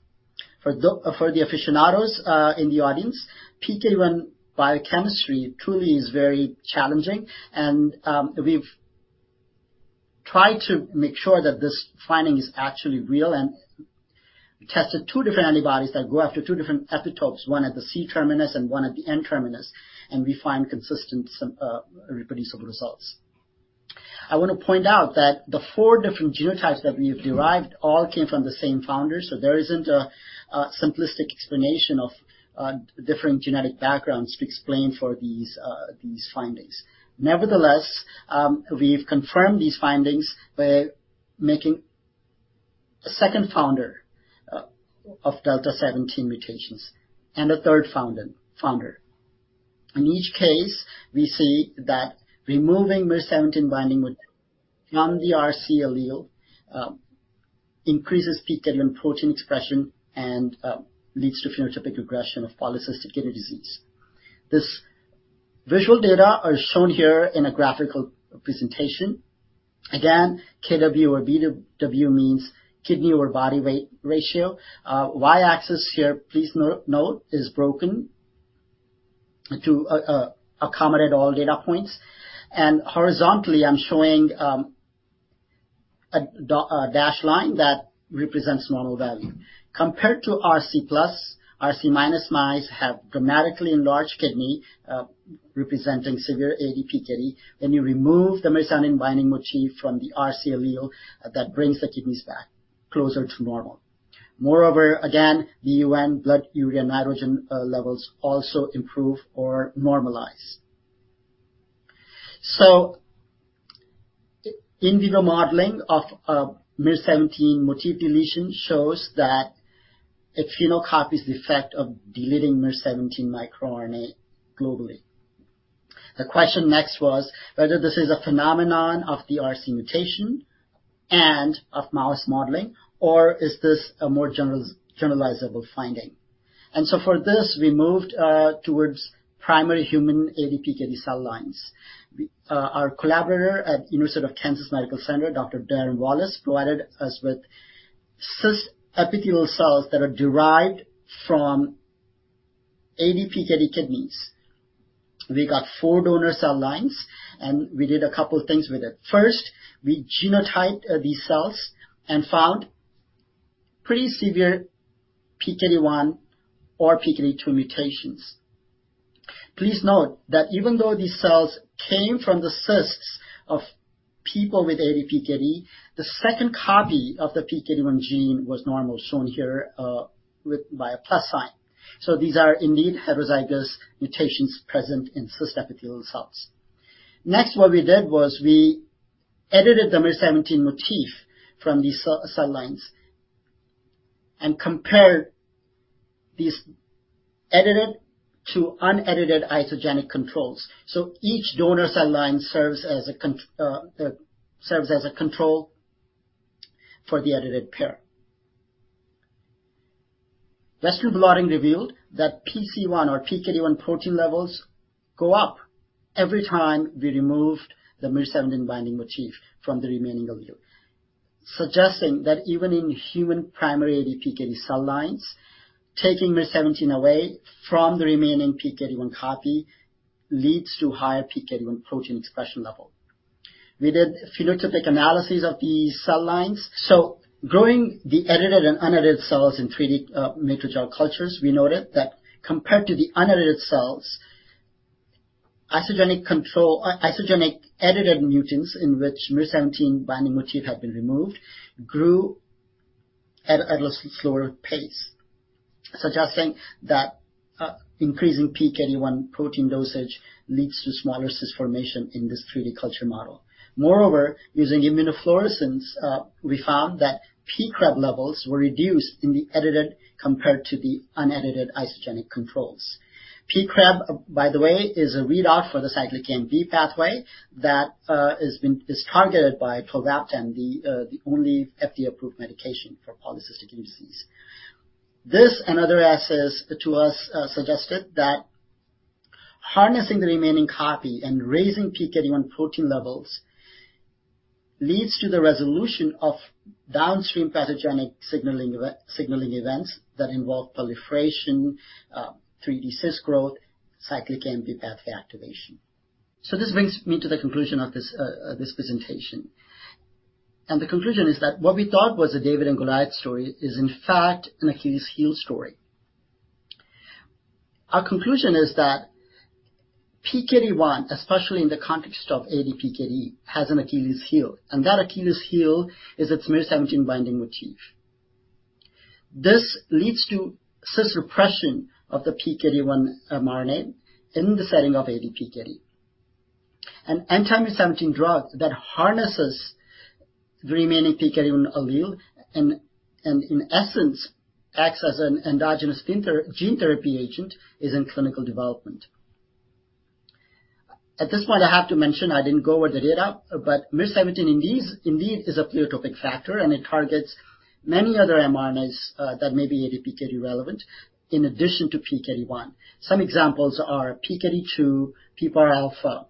For the aficionados in the audience, PKD1 biochemistry truly is very challenging and we've tried to make sure that this finding is actually real and tested two different antibodies that go after two different epitopes, one at the C terminus and one at the N terminus, and we find consistent reproducible results. I want to point out that the four different genotypes that we've derived all came from the same founder, so there isn't a simplistic explanation of different genetic backgrounds to explain for these findings. Nevertheless, we've confirmed these findings by making a second founder of delta 17 mutations and a third founder. In each case, we see that removing miR-17 binding site from the RC allele increases PKD1 protein expression and leads to phenotypic regression of polycystic kidney disease. This visual data are shown here in a graphical presentation. Again, KW or BW means kidney or body weight ratio. Y-axis here, please note, is broken to accommodate all data points. And horizontally, I'm showing a dashed line that represents normal value. Compared to RC plus, RC minus mice have dramatically enlarged kidney, representing severe ADPKD. When you remove the miR-17 binding motif from the RC allele, that brings the kidneys back closer to normal. Moreover, again, the BUN blood urea nitrogen levels also improve or normalize. In vivo modeling of miR-17 motif deletion shows that it phenocopies the effect of deleting miR-17 microRNA globally. The question next was whether this is a phenomenon of the RC mutation and of mouse modeling, or is this a more generalizable finding? And so for this, we moved towards primary human ADPKD cell lines. Our collaborator at University of Kansas Medical Center, Dr. Darren Wallace, provided us with cyst epithelial cells that are derived from ADPKD kidneys. We got four donor cell lines, and we did a couple of things with it. First, we genotyped these cells and found pretty severe PKD1 or PKD2 mutations. Please note that even though these cells came from the cysts of people with ADPKD, the second copy of the PKD1 gene was normal, shown here with a plus sign. So these are indeed heterozygous mutations present in cyst epithelial cells. Next, what we did was we edited the miR-17 motif from these cell lines and compared these edited to unedited isogenic controls. So each donor cell line serves as a control for the edited pair. Western blotting revealed that PC1 or PKD1 protein levels go up every time we removed the miR-17 binding motif from the remaining allele, suggesting that even in human primary ADPKD cell lines, taking miR-17 away from the remaining PKD1 copy leads to higher PKD1 protein expression level. We did phenotypic analyses of these cell lines. So growing the edited and unedited cells in 3D Matrigel cultures, we noted that compared to the unedited cells, isogenic control, isogenic edited mutants, in which miR-17 binding motif had been removed, grew at a slower pace, suggesting that increasing PKD1 protein dosage leads to smaller cyst formation in this 3D culture model. Moreover, using immunofluorescence, we found that p-CREB levels were reduced in the edited compared to the unedited isogenic controls. p-CREB, by the way, is a readout for the cyclic AMP pathway that is targeted by tolvaptan, the only FDA-approved medication for polycystic disease. This and other assays to us suggested that harnessing the remaining copy and raising PKD1 protein levels leads to the resolution of downstream pathogenic signaling events that involve proliferation, 3D cyst growth, cyclic AMP pathway activation. So this brings me to the conclusion of this presentation. The conclusion is that what we thought was a David and Goliath story is, in fact, an Achilles heel story. Our conclusion is that PKD1, especially in the context of ADPKD, has an Achilles heel, and that Achilles heel is its miR-17 binding motif. This leads to cis-repression of the PKD1 mRNA in the setting of ADPKD. An anti-miR-17 drug that harnesses the remaining PKD1 allele and, in essence, acts as an endogenous gene therapy agent, is in clinical development. At this point, I have to mention, I didn't go over the data, but miR-17 indeed is a pleiotropic factor, and it targets many other mRNAs that may be ADPKD relevant in addition to PKD1. Some examples are PKD2, PPAR alpha.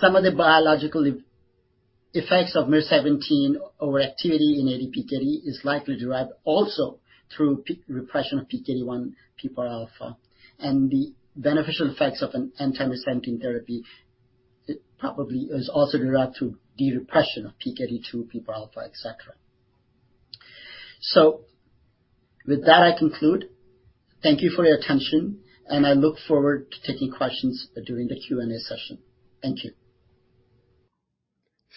Some of the biological effects of miR-17 overactivity in ADPKD is likely derived also through repression of PKD1, PPAR alpha. The beneficial effects of an anti-miR-17 therapy, it probably is also derived through derepression of PKD2, PPAR alpha, et cetera. With that, I conclude. Thank you for your attention, and I look forward to taking questions during the Q&A session. Thank you.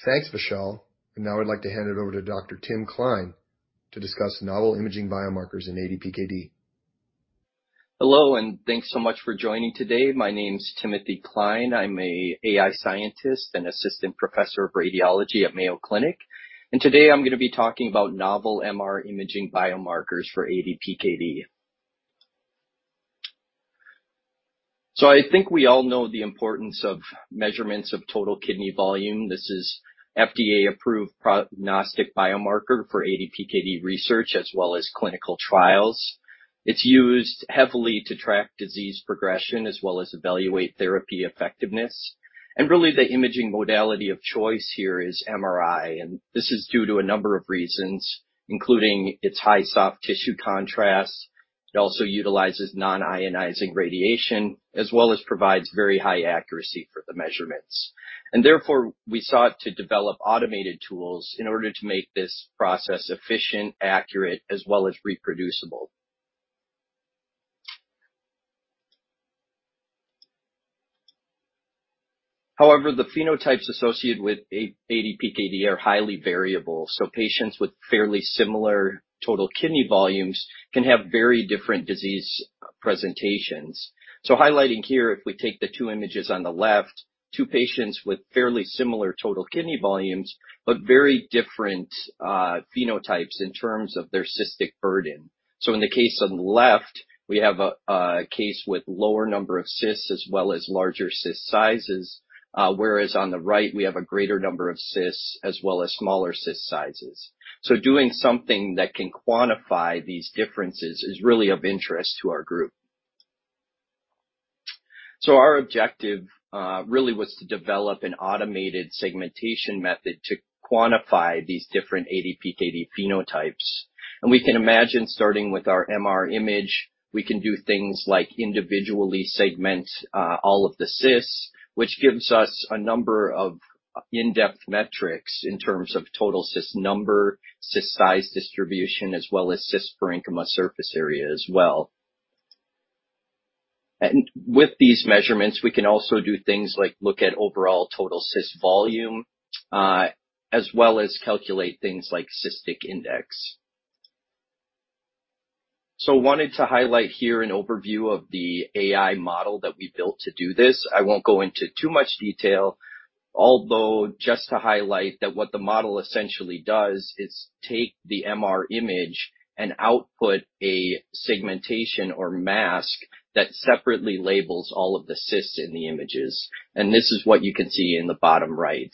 Thanks, Vishal. Now I'd like to hand it over to Dr. Tim Klein to discuss novel imaging biomarkers in ADPKD. Hello, and thanks so much for joining today. My name's Timothy Klein. I'm an AI scientist and assistant professor of Radiology at Mayo Clinic, and today I'm gonna be talking about novel MR imaging biomarkers for ADPKD. So I think we all know the importance of measurements of total kidney volume. This is FDA-approved prognostic biomarker for ADPKD research as well as clinical trials. It's used heavily to track disease progression, as well as evaluate therapy effectiveness. And really, the imaging modality of choice here is MRI, and this is due to a number of reasons, including its high soft tissue contrast. It also utilizes non-ionizing radiation, as well as provides very high accuracy for the measurements. And therefore, we sought to develop automated tools in order to make this process efficient, accurate, as well as reproducible. However, the phenotypes associated with ADPKD are highly variable, so patients with fairly similar total kidney volumes can have very different disease presentations. So highlighting here, if we take the two images on the left, two patients with fairly similar total kidney volumes, but very different phenotypes in terms of their cystic burden. So in the case on the left, we have a case with lower number of cysts as well as larger cyst sizes, whereas on the right we have a greater number of cysts as well as smaller cyst sizes. So doing something that can quantify these differences is really of interest to our group. So our objective really was to develop an automated segmentation method to quantify these different ADPKD phenotypes. And we can imagine, starting with our MR image, we can do things like individually segment all of the cysts, which gives us a number of in-depth metrics in terms of total cyst number, cyst size distribution, as well as cyst parenchyma surface area as well. And with these measurements, we can also do things like look at overall total cyst volume, as well as calculate things like cystic index. So wanted to highlight here an overview of the AI model that we built to do this. I won't go into too much detail, although just to highlight that what the model essentially does is take the MR image and output a segmentation or mask that separately labels all of the cysts in the images. And this is what you can see in the bottom right.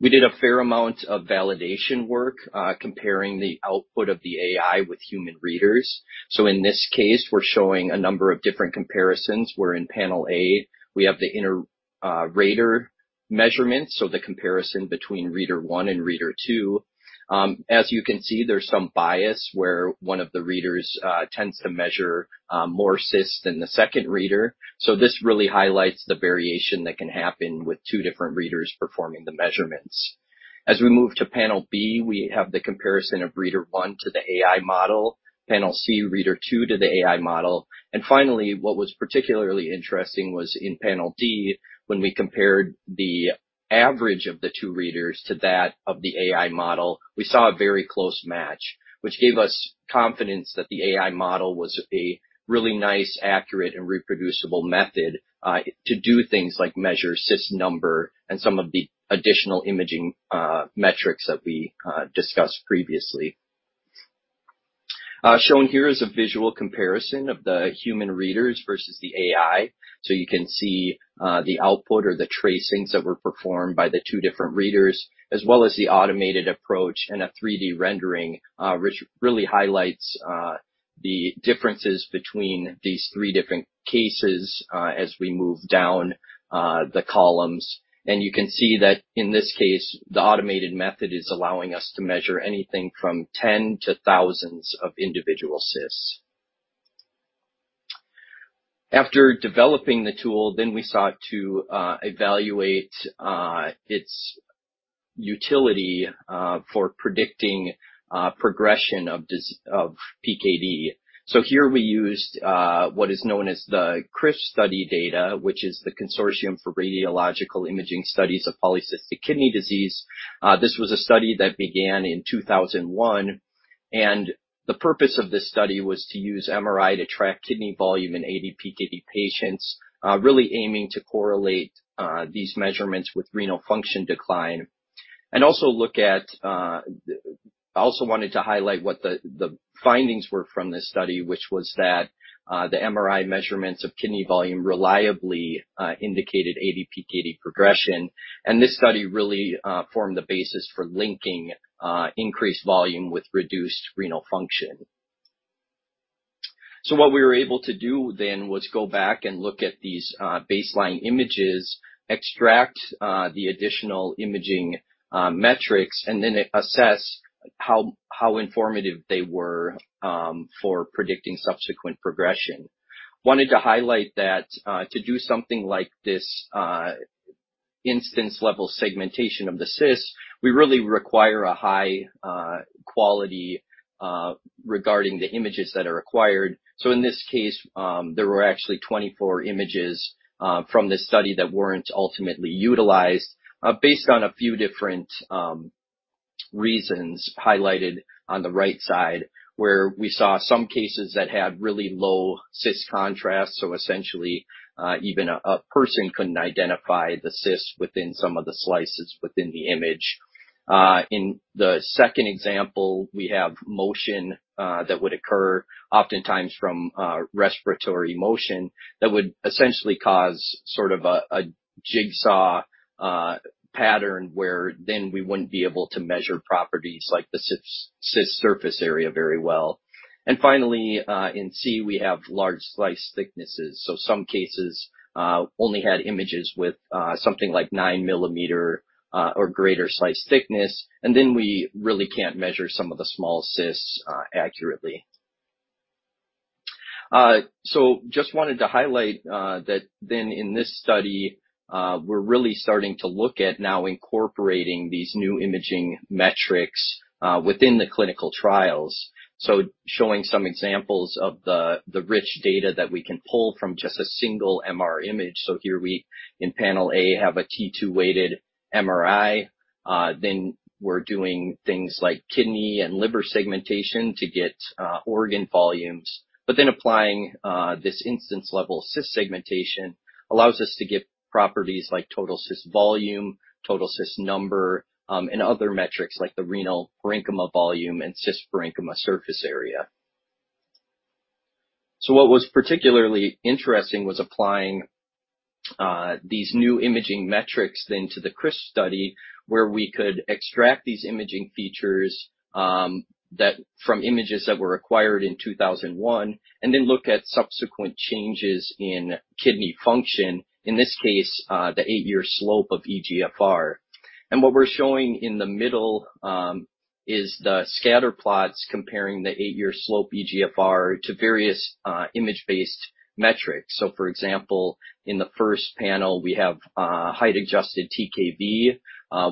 We did a fair amount of validation work, comparing the output of the AI with human readers. So in this case, we're showing a number of different comparisons, where in Panel A, we have the inter-rater measurements, so the comparison between Reader one and Reader two. As you can see, there's some bias where one of the readers tends to measure more cysts than the second reader. So this really highlights the variation that can happen with two different readers performing the measurements. As we move to Panel B, we have the comparison of Reader one to the AI model, Panel C, Reader two to the AI model. And finally, what was particularly interesting was in Panel D, when we compared the average of the two readers to that of the AI model, we saw a very close match. Which gave us confidence that the AI model was a really nice, accurate, and reproducible method to do things like measure cyst number and some of the additional imaging metrics that we discussed previously. Shown here is a visual comparison of the human readers versus the AI. So you can see the output or the tracings that were performed by the two different readers, as well as the automated approach and a 3D rendering which really highlights the differences between these three different cases as we move down the columns. You can see that in this case, the automated method is allowing us to measure anything from 10 to thousands of individual cysts. After developing the tool, then we sought to evaluate its utility for predicting progression of PKD. So here we used what is known as the CRISP study data, which is the Consortium for Radiologic Imaging Studies of Polycystic Kidney Disease. This was a study that began in 2001, and the purpose of this study was to use MRI to track kidney volume in ADPKD patients, really aiming to correlate these measurements with renal function decline. I also wanted to highlight what the findings were from this study, which was that the MRI measurements of kidney volume reliably indicated ADPKD progression, and this study really formed the basis for linking increased volume with reduced renal function. So what we were able to do then was go back and look at these, baseline images, extract, the additional imaging, metrics, and then assess how informative they were, for predicting subsequent progression. Wanted to highlight that, to do something like this, instance-level segmentation of the cysts, we really require a high, quality, regarding the images that are acquired. So in this case, there were actually 24 images, from this study that weren't ultimately utilized, based on a few different, reasons highlighted on the right side, where we saw some cases that had really low cyst contrast. So essentially, even a person couldn't identify the cyst within some of the slices within the image. In the second example, we have motion that would occur oftentimes from respiratory motion that would essentially cause sort of a jigsaw pattern, where then we wouldn't be able to measure properties like the cyst surface area very well. And finally, in C, we have large slice thicknesses. So some cases only had images with something like nine-millimeter or greater slice thickness, and then we really can't measure some of the small cysts accurately. So just wanted to highlight that then in this study, we're really starting to look at now incorporating these new imaging metrics within the clinical trials. So showing some examples of the rich data that we can pull from just a single MR image. So here we, in Panel A, have a T2 weighted MRI. Then we're doing things like kidney and liver segmentation to get organ volumes. But then applying this instance level cyst segmentation allows us to get properties like total cyst volume, total cyst number, and other metrics like the renal parenchyma volume and cyst parenchyma surface area. So what was particularly interesting was applying these new imaging metrics then to the CRISP study, where we could extract these imaging features that from images that were acquired in 2001, and then look at subsequent changes in kidney function, in this case the eight-year slope of eGFR. And what we're showing in the middle is the scatter plots comparing the eight-year slope eGFR to various image-based metrics. So for example, in the first panel, we have a height-adjusted TKV,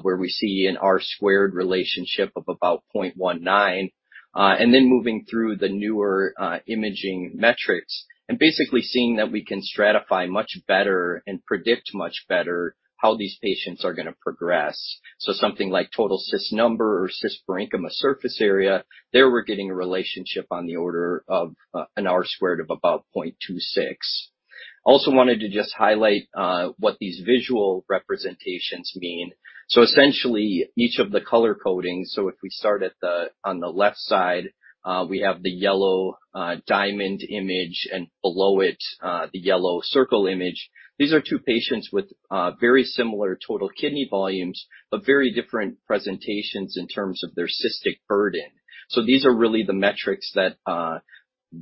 where we see an R squared relationship of about 0.19. Then moving through the newer imaging metrics and basically seeing that we can stratify much better and predict much better how these patients are gonna progress. So something like total cyst number or cyst parenchyma surface area, there we're getting a relationship on the order of an R squared of about 0.26. I also wanted to just highlight what these visual representations mean. So essentially, each of the color codings, so if we start on the left side, we have the yellow diamond image, and below it the yellow circle image. These are two patients with very similar total kidney volumes, but very different presentations in terms of their cystic burden. So these are really the metrics that,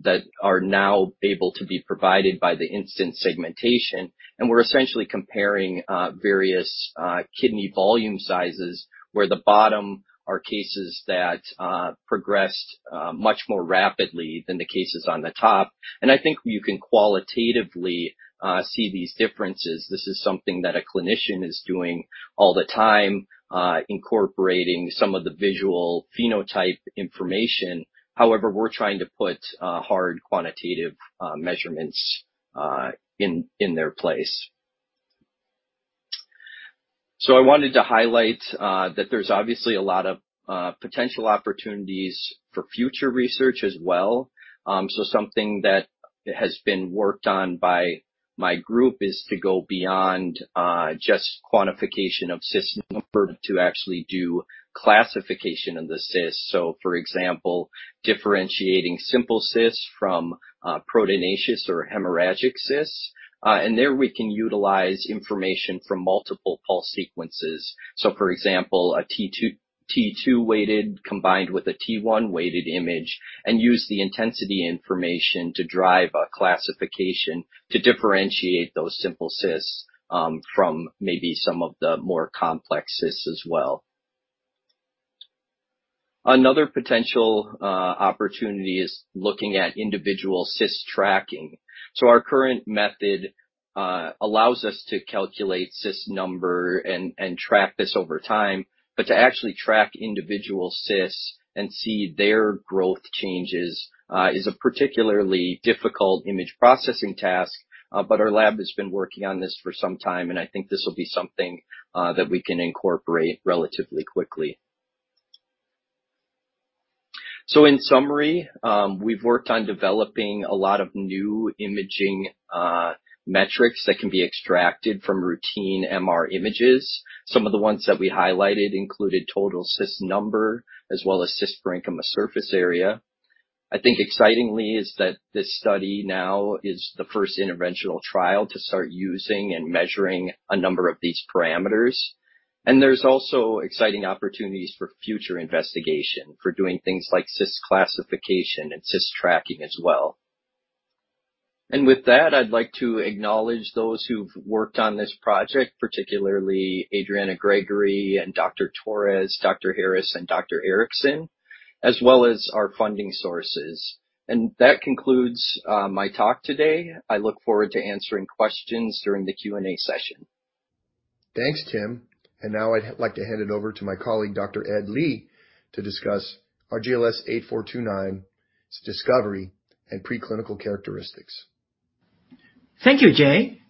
that are now able to be provided by the instance segmentation. We're essentially comparing, various, kidney volume sizes, where the bottom are cases that, progressed, much more rapidly than the cases on the top. I think you can qualitatively, see these differences. This is something that a clinician is doing all the time, incorporating some of the visual phenotype information. However, we're trying to put, hard quantitative, measurements, in, in their place. So I wanted to highlight, that there's obviously a lot of, potential opportunities for future research as well. So something that has been worked on by my group is to go beyond, just quantification of cyst number to actually do classification of the cyst. So for example, differentiating simple cysts from proteinaceous or hemorrhagic cysts. And there we can utilize information from multiple pulse sequences. So for example, a T2, T2-weighted, combined with a T1-weighted image, and use the intensity information to drive a classification to differentiate those simple cysts from maybe some of the more complex cysts as well. Another potential opportunity is looking at individual cyst tracking. So our current method allows us to calculate cyst number and track this over time, but to actually track individual cysts and see their growth changes is a particularly difficult image processing task. But our lab has been working on this for some time, and I think this will be something that we can incorporate relatively quickly. So in summary, we've worked on developing a lot of new imaging metrics that can be extracted from routine MR images. Some of the ones that we highlighted included total cyst number as well as cyst parenchyma surface area. I think excitingly is that this study now is the first interventional trial to start using and measuring a number of these parameters. And there's also exciting opportunities for future investigation, for doing things like cyst classification and cyst tracking as well. And with that, I'd like to acknowledge those who've worked on this project, particularly Adriana Gregory and Dr. Torres, Dr. Harris, and Dr. Erickson, as well as our funding sources. And that concludes my talk today. I look forward to answering questions during the Q&A session. Thanks, Tim. Now I'd like to hand it over to my colleague, Dr. Ed Lee, to discuss RGLS8429's discovery and preclinical characteristics. Thank you, Jay.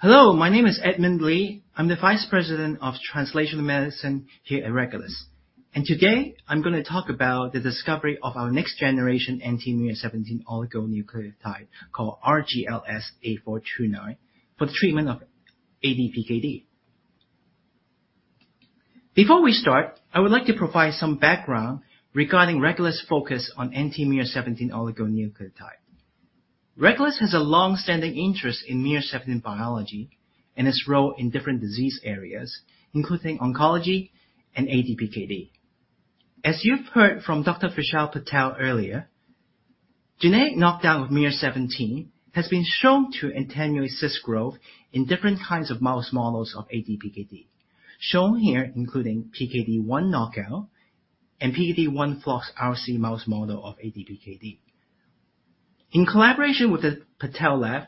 Hello, my name is Edmund Lee. I'm the Vice President of Translational Medicine here at Regulus. Today I'm gonna talk about the discovery of our next generation, anti-miR-17 oligonucleotide, called RGLS8429, for the treatment of ADPKD. Before we start, I would like to provide some background regarding Regulus' focus on anti-miR-17 oligonucleotide. Regulus has a long-standing interest in miR-17 biology and its role in different disease areas, including oncology and ADPKD. As you've heard from Dr. Vishal Patel earlier, genetic knockdown of miR-17 has been shown to attenuate cyst growth in different kinds of mouse models of ADPKD, shown here, including PKD1 knockout and PKD1 flox RC mouse model of ADPKD. In collaboration with the Patel lab,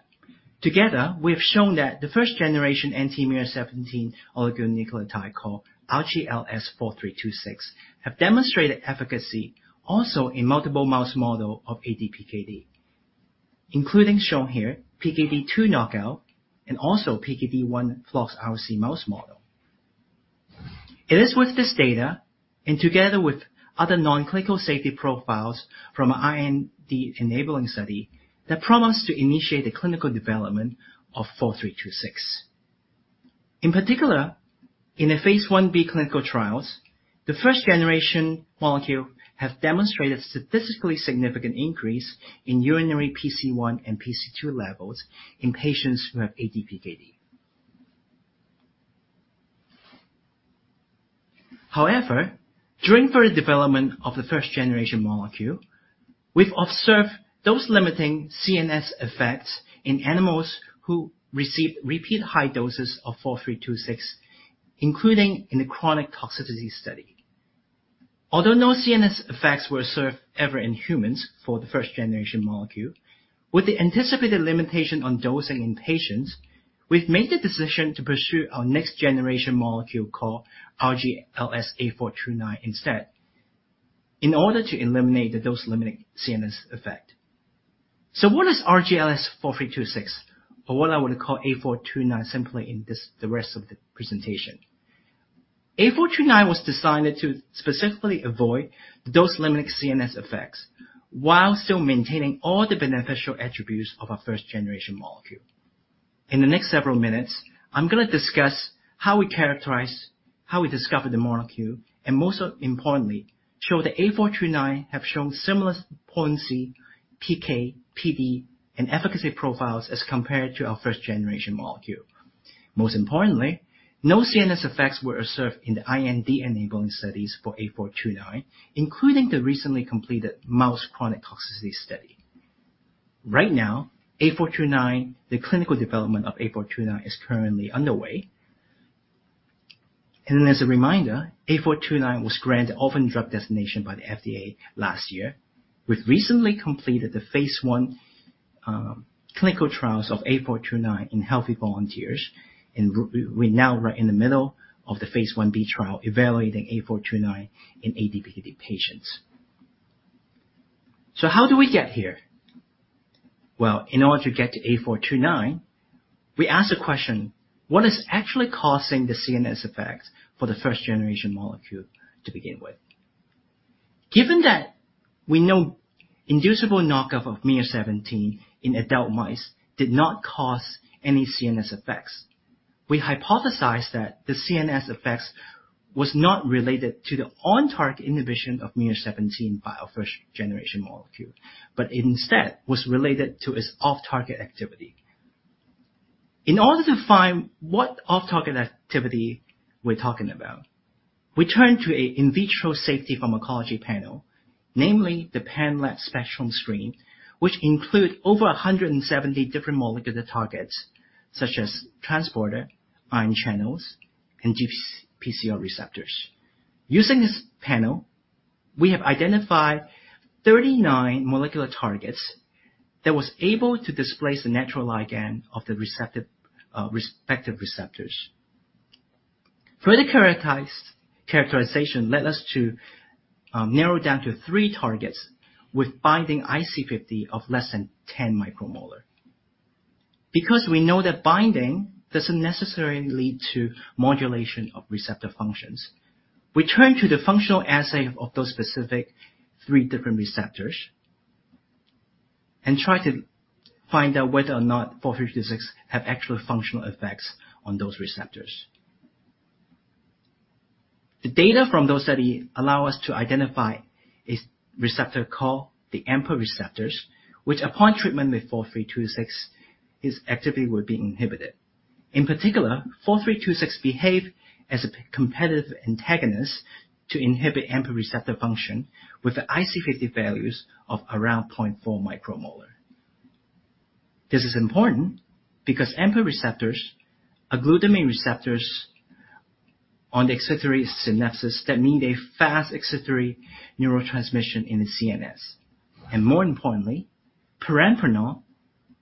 together, we have shown that the first generation anti-miR-17 oligonucleotide, called RGLS4326, have demonstrated efficacy also in multiple mouse model of ADPKD. including shown here, PKD2 knockout and also PKD1 flox RC mouse model. It is with this data, and together with other non-clinical safety profiles from our IND enabling study, that prompt us to initiate the clinical development of RGLS4326. In particular, in phase I-B clinical trials, the first-generation molecule have demonstrated statistically significant increase in urinary PC1 and PC2 levels in patients who have ADPKD. However, during further development of the first-generation molecule, we've observed dose-limiting CNS effects in animals who received repeat high doses of RGLS4326, including in the chronic toxicity study. Although no CNS effects were observed ever in humans for the first-generation molecule, with the anticipated limitation on dosing in patients, we've made the decision to pursue our next generation molecule, called RGLS8429 instead, in order to eliminate the dose-limiting CNS effect. So what is RGLS4326, or what I would call 8429 simply in this, the rest of the presentation? 8429 was designed to specifically avoid the dose-limiting CNS effects while still maintaining all the beneficial attributes of our first-generation molecule. In the next several minutes, I'm gonna discuss how we characterize, how we discovered the molecule, and most importantly, show that 8429 have shown similar potency, PK, PD, and efficacy profiles as compared to our first-generation molecule. Most importantly, no CNS effects were observed in the IND enabling studies for 8429, including the recently completed mouse chronic toxicity study. Right now, 8429, the clinical development of 8429 is currently underway. As a reminder, RGLS8429 was granted orphan drug designation by the FDA last year. We've recently completed the phase 1 clinical trials of RGLS8429 in healthy volunteers, and we're now right in the middle of phase I-B trial, evaluating RGLS8429 in ADPKD patients. So how do we get here? Well, in order to get to RGLS8429, we asked a question: What is actually causing the CNS effect for the first-generation molecule to begin with? Given that we know inducible knockout of miR-17 in adult mice did not cause any CNS effects, we hypothesized that the CNS effects was not related to the on-target inhibition of miR-17 by our first generation molecule but instead was related to its off-target activity. In order to find what off-target activity we're talking about, we turned to an in vitro safety pharmacology panel, namely the Panlab SpectrumScreen, which includes over 170 different molecular targets, such as transporters, ion channels, and GPCR receptors. Using this panel, we have identified 39 molecular targets that were able to displace the natural ligand of the respective receptors. Further characterization led us to narrow down to three targets with binding IC50 of less than 10 micromolar. Because we know that binding doesn't necessarily lead to modulation of receptor functions, we turn to the functional assay of those specific three different receptors and try to find out whether or not 4326 has actual functional effects on those receptors. The data from those study allow us to identify a receptor called the AMPA receptors, which upon treatment with 4326, its activity would be inhibited. In particular, 4326 behave as a competitive antagonist to inhibit AMPA receptor function, with the IC50 values of around 0.4 micromolar. This is important because AMPA receptors are glutamate receptors on the excitatory synapses that mediate fast excitatory neurotransmission in the CNS. And more importantly, Perampanel,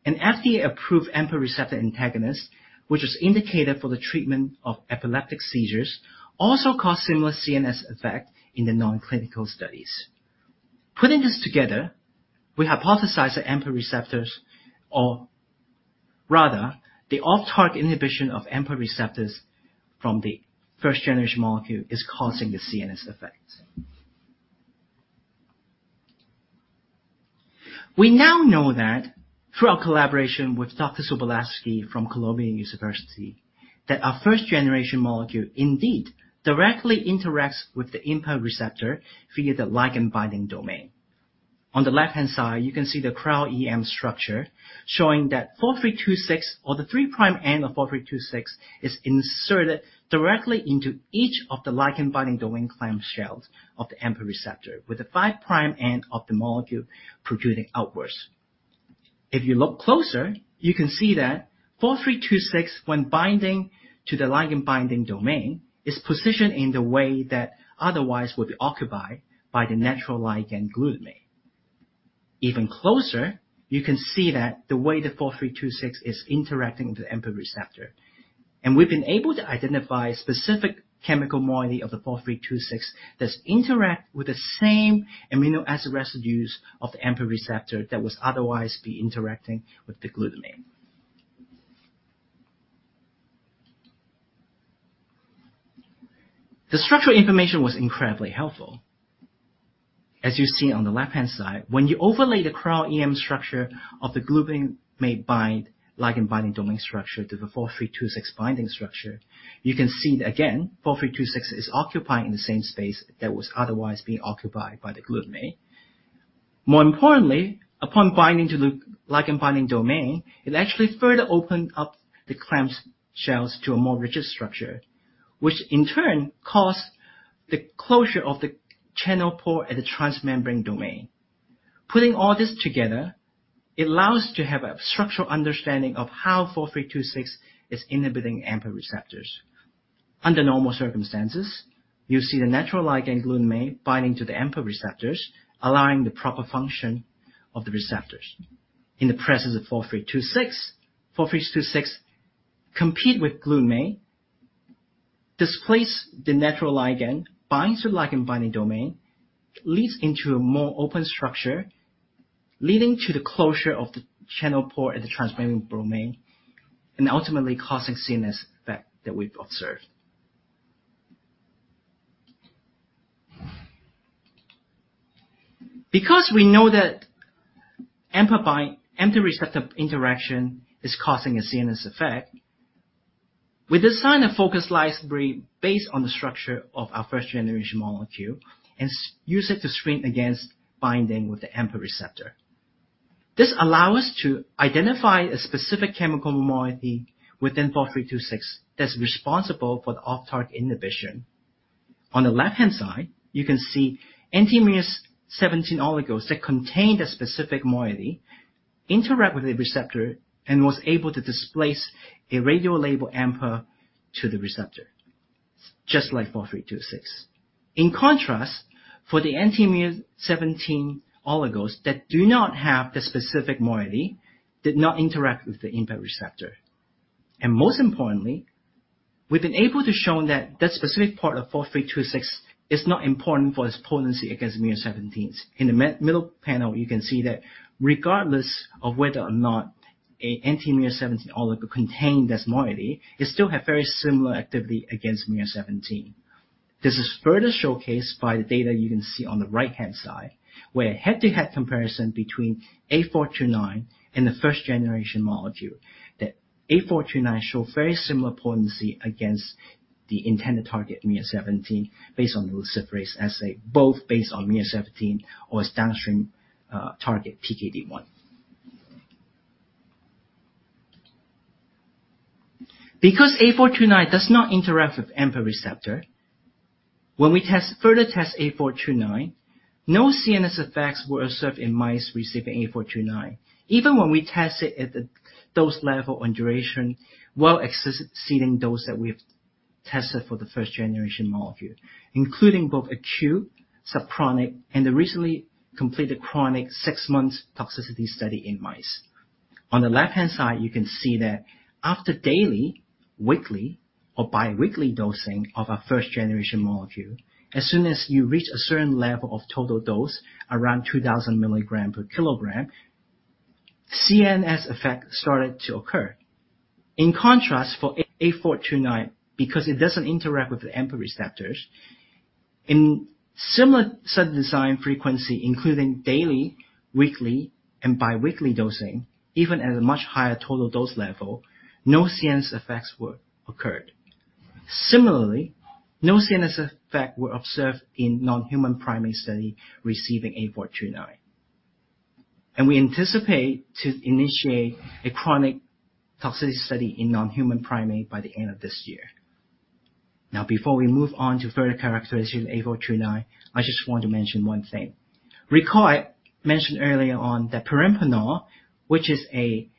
an FDA-approved AMPA receptor antagonist, which is indicated for the treatment of epileptic seizures, also cause similar CNS effect in the non-clinical studies. Putting this together, we hypothesized that AMPA receptors, or rather, the off-target inhibition of AMPA receptors from the first generation molecule, is causing the CNS effects. We now know that through our collaboration with Dr. Sobolevsky from Columbia University, that our first-generation molecule indeed directly interacts with the AMPA receptor via the ligand binding domain. On the left-hand side, you can see the cryo-EM structure, showing that 4326, or the three-prime end of 4326, is inserted directly into each of the ligand binding domain clamshells of the AMPA receptor, with the five-prime end of the molecule protruding outwards. If you look closer, you can see that 4326, when binding to the ligand binding domain, is positioned in the way that otherwise would be occupied by the natural ligand glutamate. Even closer, you can see that the way the 4326 is interacting with the AMPA receptor. We've been able to identify specific chemical moiety of the RGLS4326 that interact with the same amino acid residues of the AMPA receptor that would otherwise be interacting with the glutamate. The structural information was incredibly helpful. As you see on the left-hand side, when you overlay the cryo-EM structure of the glutamate bind, ligand binding domain structure to the RGLS4326 binding structure, you can see that again, RGLS4326 is occupying the same space that was otherwise being occupied by the glutamate. More importantly, upon binding to the ligand binding domain, it actually further opened up the clamshells to a more rigid structure, which in turn caused the closure of the channel pore at the transmembrane domain. Putting all this together, it allows to have a structural understanding of how RGLS4326 is inhibiting AMPA receptors. Under normal circumstances, you see the natural ligand glutamate binding to the AMPA receptors, allowing the proper function of the receptors. In the presence of RGLS4326, RGLS4326 competes with glutamate, displaces the natural ligand, binds to ligand binding domain, leads into a more open structure, leading to the closure of the channel pore at the transmembrane domain, and ultimately causing CNS effect that we've observed. Because we know that AMPA receptor interaction is causing a CNS effect, we design a focused library based on the structure of our first-generation molecule and use it to screen against binding with the AMPA receptor. This allow us to identify a specific chemical moiety within RGLS4326, that's responsible for the off-target inhibition. On the left-hand side, you can see anti-miR-17 oligos that contain the specific moiety, interact with the receptor, and was able to displace a radiolabeled AMPA from the receptor, just like 4326. In contrast, for the anti-miR-17 oligos that do not have the specific moiety, did not interact with the AMPA receptor. And most importantly, we've been able to shown that that specific part of 4326 is not important for its potency against miR-17s. In the middle panel, you can see that regardless of whether or not an anti-miR-17 oligo contain this moiety, it still have very similar activity against miR-17. This is further showcased by the data you can see on the right-hand side, where a head-to-head comparison between RGLS8429 and the first generation molecule, that RGLS8429 show very similar potency against the intended target, miR-17, based on the luciferase assay, both based on miR-17 or its downstream target PKD1. Because RGLS8429 does not interact with AMPA receptor, when we further test RGLS8429, no CNS effects were observed in mice receiving RGLS8429. Even when we test it at the dose level and duration, while exceeding dose that we've tested for the first-generation molecule, including both acute, subchronic, and the recently completed chronic six months toxicity study in mice. On the left-hand side, you can see that after daily, weekly, or biweekly dosing of our first generation molecule, as soon as you reach a certain level of total dose, around 2000 milligrams per kilogram, CNS effect started to occur. In contrast, for RGLS8429, because it doesn't interact with the AMPA receptors, in similar study design frequency, including daily, weekly, and biweekly dosing, even at a much higher total dose level, no CNS effects were occurred. Similarly, no CNS effect were observed in non-human primate study receiving RGLS8429. We anticipate to initiate a chronic toxicity study in non-human primate by the end of this year. Now, before we move on to further characterize RGLS8429, I just want to mention one thing. Recall I mentioned earlier on that Perampanel, which is an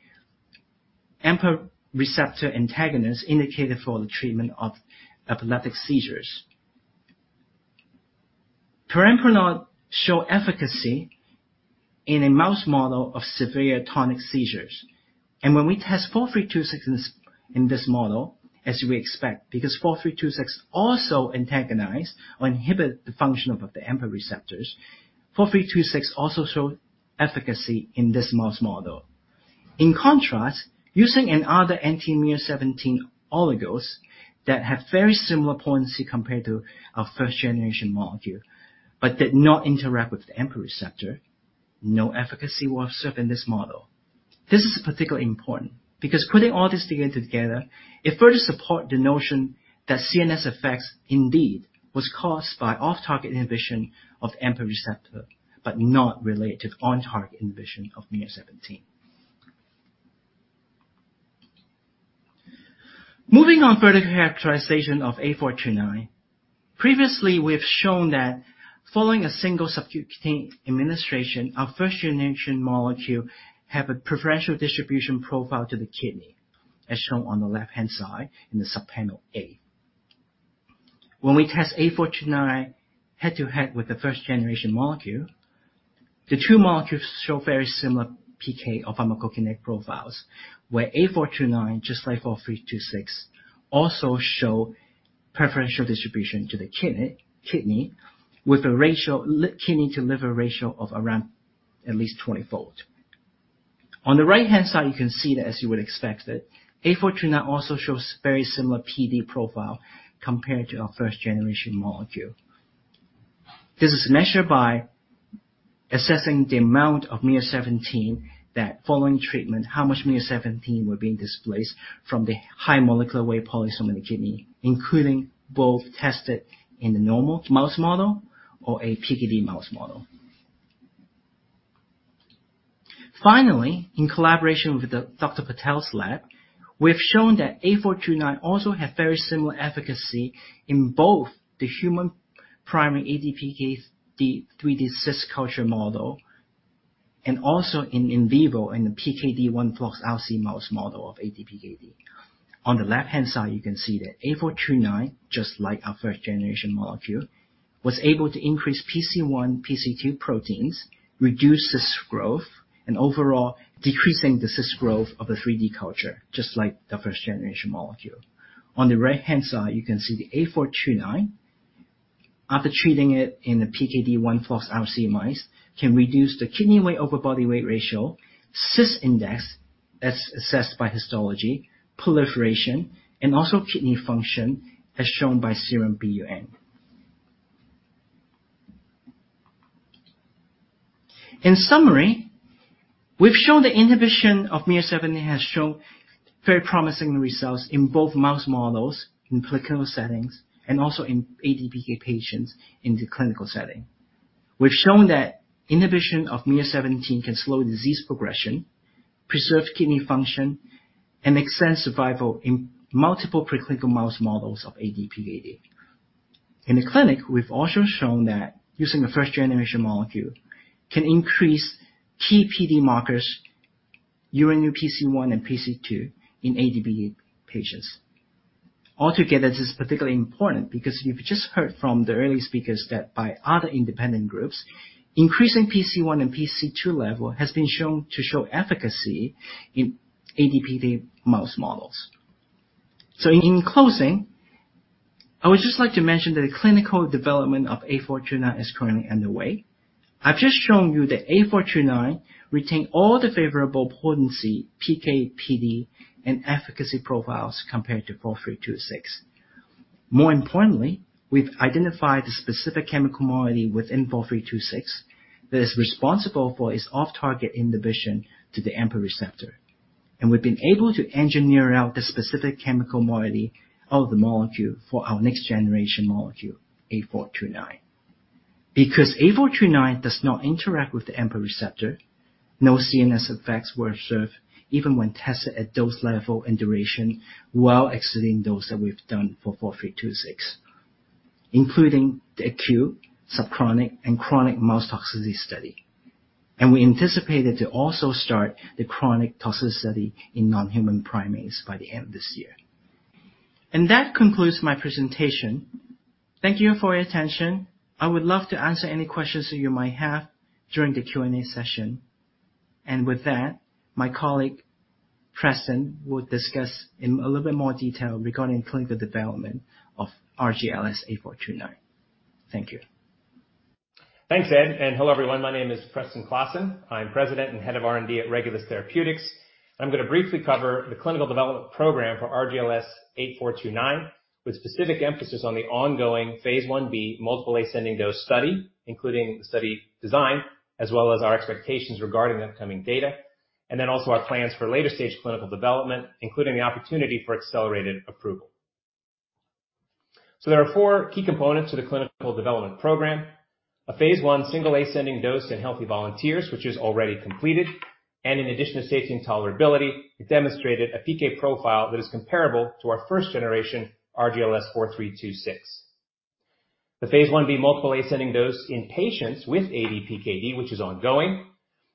AMPA receptor antagonist indicated for the treatment of epileptic seizures. Perampanel show efficacy in a mouse model of severe tonic seizures. And when we test RGLS4326 in this, in this model, as we expect, because RGLS4326 also antagonize or inhibit the function of the AMPA receptors, RGLS4326 also show efficacy in this mouse model. In contrast, using another anti-miR-17 oligos that have very similar potency compared to our first-generation molecule, but did not interact with the AMPA receptor, no efficacy was observed in this model. This is particularly important because putting all this data together, it further support the notion that CNS effects indeed was caused by off-target inhibition of the AMPA receptor, but not related to on-target inhibition of miR-17. Moving on further characterization of RGLS8429. Previously, we have shown that following a single subcutaneous administration, our first-generation molecule have a preferential distribution profile to the kidney, as shown on the left-hand side in the subpanel A. When we test 8429 head-to-head with the first generation molecule, the two molecules show very similar PK or pharmacokinetic profiles, where 8429, just like 4326, also show preferential distribution to the kidney with a kidney to liver ratio of around at least 20-fold. On the right-hand side, you can see that as you would expect, 8429 also shows very similar PD profile compared to our first generation molecule. This is measured by assessing the amount of miR-17 that following treatment, how much miR-17 were being displaced from the high molecular weight polysome in the kidney, including both tested in the normal mouse model or a PKD mouse model. Finally, in collaboration with Dr. Patel's lab, we have shown that RGLS8429 also have very similar efficacy in both the human primary ADPKD 3D cyst culture model and also in vivo in the PKD1 flox RC mouse model of ADPKD. On the left-hand side, you can see that RGLS8429, just like our first-generation molecule, was able to increase PC1, PC2 proteins, reduce the cyst growth, and overall decreasing the cyst growth of the 3D culture, just like the first-generation molecule. On the right-hand side, you can see the 8429 after treating it in the PKD1 flox RC mice, can reduce the kidney weight over body weight ratio, cyst index, as assessed by histology, proliferation, and also kidney function, as shown by serum BUN. In summary, we've shown the inhibition of miR-17 has shown very promising results in both mouse models, in preclinical settings, and also in ADPKD patients in the clinical setting. We've shown that inhibition of miR-17 can slow disease progression, preserve kidney function, and extend survival in multiple preclinical mouse models of ADPKD. In the clinic, we've also shown that using a first-generation molecule can increase key PD markers, urine PC1 and PC2, in ADPKD patients. Altogether, this is particularly important because you've just heard from the early speakers that by other independent groups, increasing PC1 and PC2 level has been shown to show efficacy in ADPKD mouse models. So in closing, I would just like to mention that the clinical development of RGLS8429 is currently underway. I've just shown you that RGLS8429 retain all the favorable potency, PK, PD, and efficacy profiles compared to RGLS4326. More importantly, we've identified the specific chemical modality within RGLS4326 that is responsible for its off-target inhibition to the AMPA receptor. And we've been able to engineer out the specific chemical modality of the molecule for our next generation molecule, RGLS8429. Because eight four two nine does not interact with the AMPA receptor, no CNS effects were observed even when tested at dose level and duration, while exceeding dose that we've done for 4326, including the acute, subchronic, and chronic mouse toxicity study. We anticipated to also start the chronic toxicity study in non-human primates by the end of this year. That concludes my presentation. Thank you for your attention. I would love to answer any questions you might have during the Q&A session. With that, my colleague, Preston, will discuss in a little bit more detail regarding clinical development of RGLS8429. Thank you. Thanks, Ed, and hello, everyone. My name is Preston Klassen. I'm President and Head of R&D at Regulus Therapeutics, and I'm going to briefly cover the clinical development program for RGLS8429, with specific emphasis on the ongoing phase I-B multiple ascending dose study, including the study design, as well as our expectations regarding the upcoming data, and then also our plans for later stage clinical development, including the opportunity for accelerated approval. There are four key components to the clinical development program: a phase I single ascending dose in healthy volunteers, which is already completed, and in addition to safety and tolerability, it demonstrated a PK profile that is comparable to our first generation, RGLS4326. phase I-B multiple ascending dose in patients with ADPKD, which is ongoing,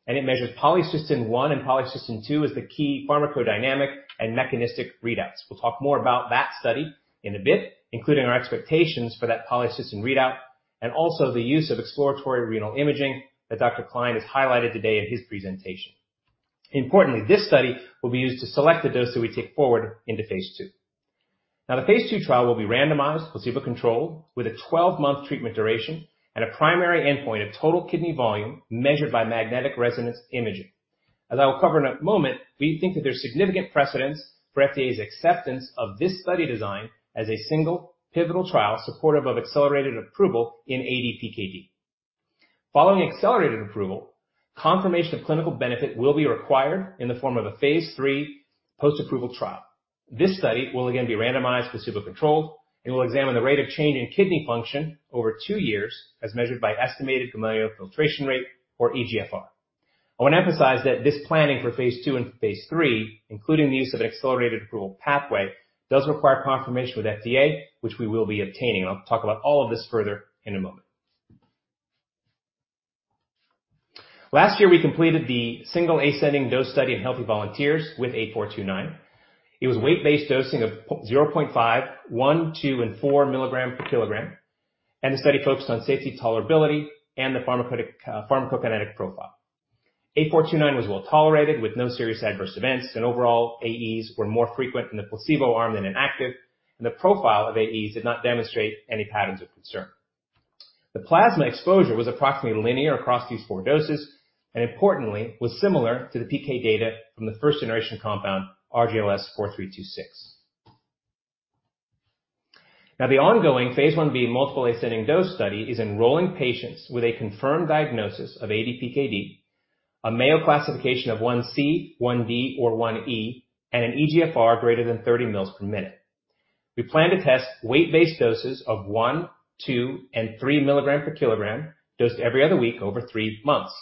and it measures Polycystin one and Polycystin two as the key pharmacodynamic and mechanistic readouts. We'll talk more about that study in a bit, including our expectations for that polycystin readout and also the use of exploratory renal imaging that Dr. Klein has highlighted today in his presentation. Importantly, this study will be used to select the dose that we take forward into phase II. Now, the phase II trial will be randomized, placebo-controlled, with a 12-month treatment duration and a primary endpoint of total kidney volume measured by magnetic resonance imaging. As I will cover in a moment, we think that there's significant precedence for FDA's acceptance of this study design as a single pivotal trial supportive of accelerated approval in ADPKD. Following accelerated approval, confirmation of clinical benefit will be required in the form of a phase III post-approval trial. This study will again be randomized, placebo-controlled, and will examine the rate of change in kidney function over two years, as measured by estimated glomerular filtration rate, or eGFR. I want to emphasize that this planning for phase II and phase III, including the use of an accelerated approval pathway, does require confirmation with FDA, which we will be obtaining. I'll talk about all of this further in a moment... Last year, we completed the single-ascending dose study in healthy volunteers with 8429. It was weight-based dosing of 0.5, one two, and four milligram per kilogram, and the study focused on safety tolerability and the pharmacokinetic profile. RGLS8429 was well tolerated with no serious adverse events, and overall, AEs were more frequent in the placebo arm than inactive, and the profile of AEs did not demonstrate any patterns of concern. The plasma exposure was approximately linear across these 4 doses, and importantly, was similar to the PK data from the first-generation compound, RGLS4326. Now, the ongoing phase I-B multiple-ascending dose study is enrolling patients with a confirmed diagnosis of ADPKD, a Mayo classification of 1C, 1D, or 1E, and an eGFR greater than 30 mL/min. We plan to test weight-based doses of one, two, and 3 mg/kg, dosed every other week over three months.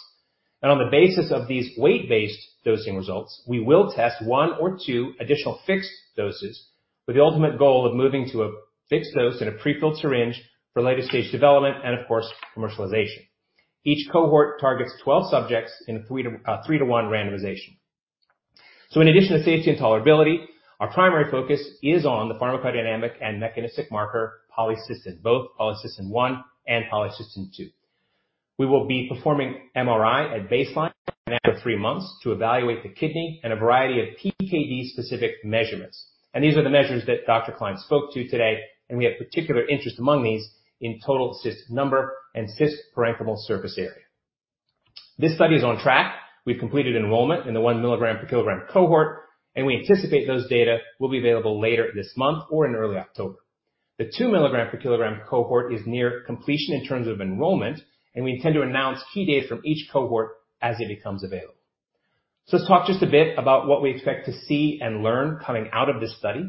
On the basis of these weight-based dosing results, we will test one or two additional fixed doses with the ultimate goal of moving to a fixed dose in a prefilled syringe for later stage development and, of course, commercialization. Each cohort targets 12 subjects in a three-to-one randomization. In addition to safety and tolerability, our primary focus is on the pharmacodynamic and mechanistic marker, polycystin, both polycystin one and polycystin two. We will be performing MRI at baseline and after three months to evaluate the kidney and a variety of PKD-specific measurements. These are the measures that Dr. Klein spoke to today, and we have particular interest among these in total cyst number and cyst parenchyma surface area. This study is on track. We've completed enrollment in the one milligram per kilogram cohort, and we anticipate those data will be available later this month or in early October. The two milligram per kilogram cohort is near completion in terms of enrollment, and we intend to announce key data from each cohort as it becomes available. So let's talk just a bit about what we expect to see and learn coming out of this study.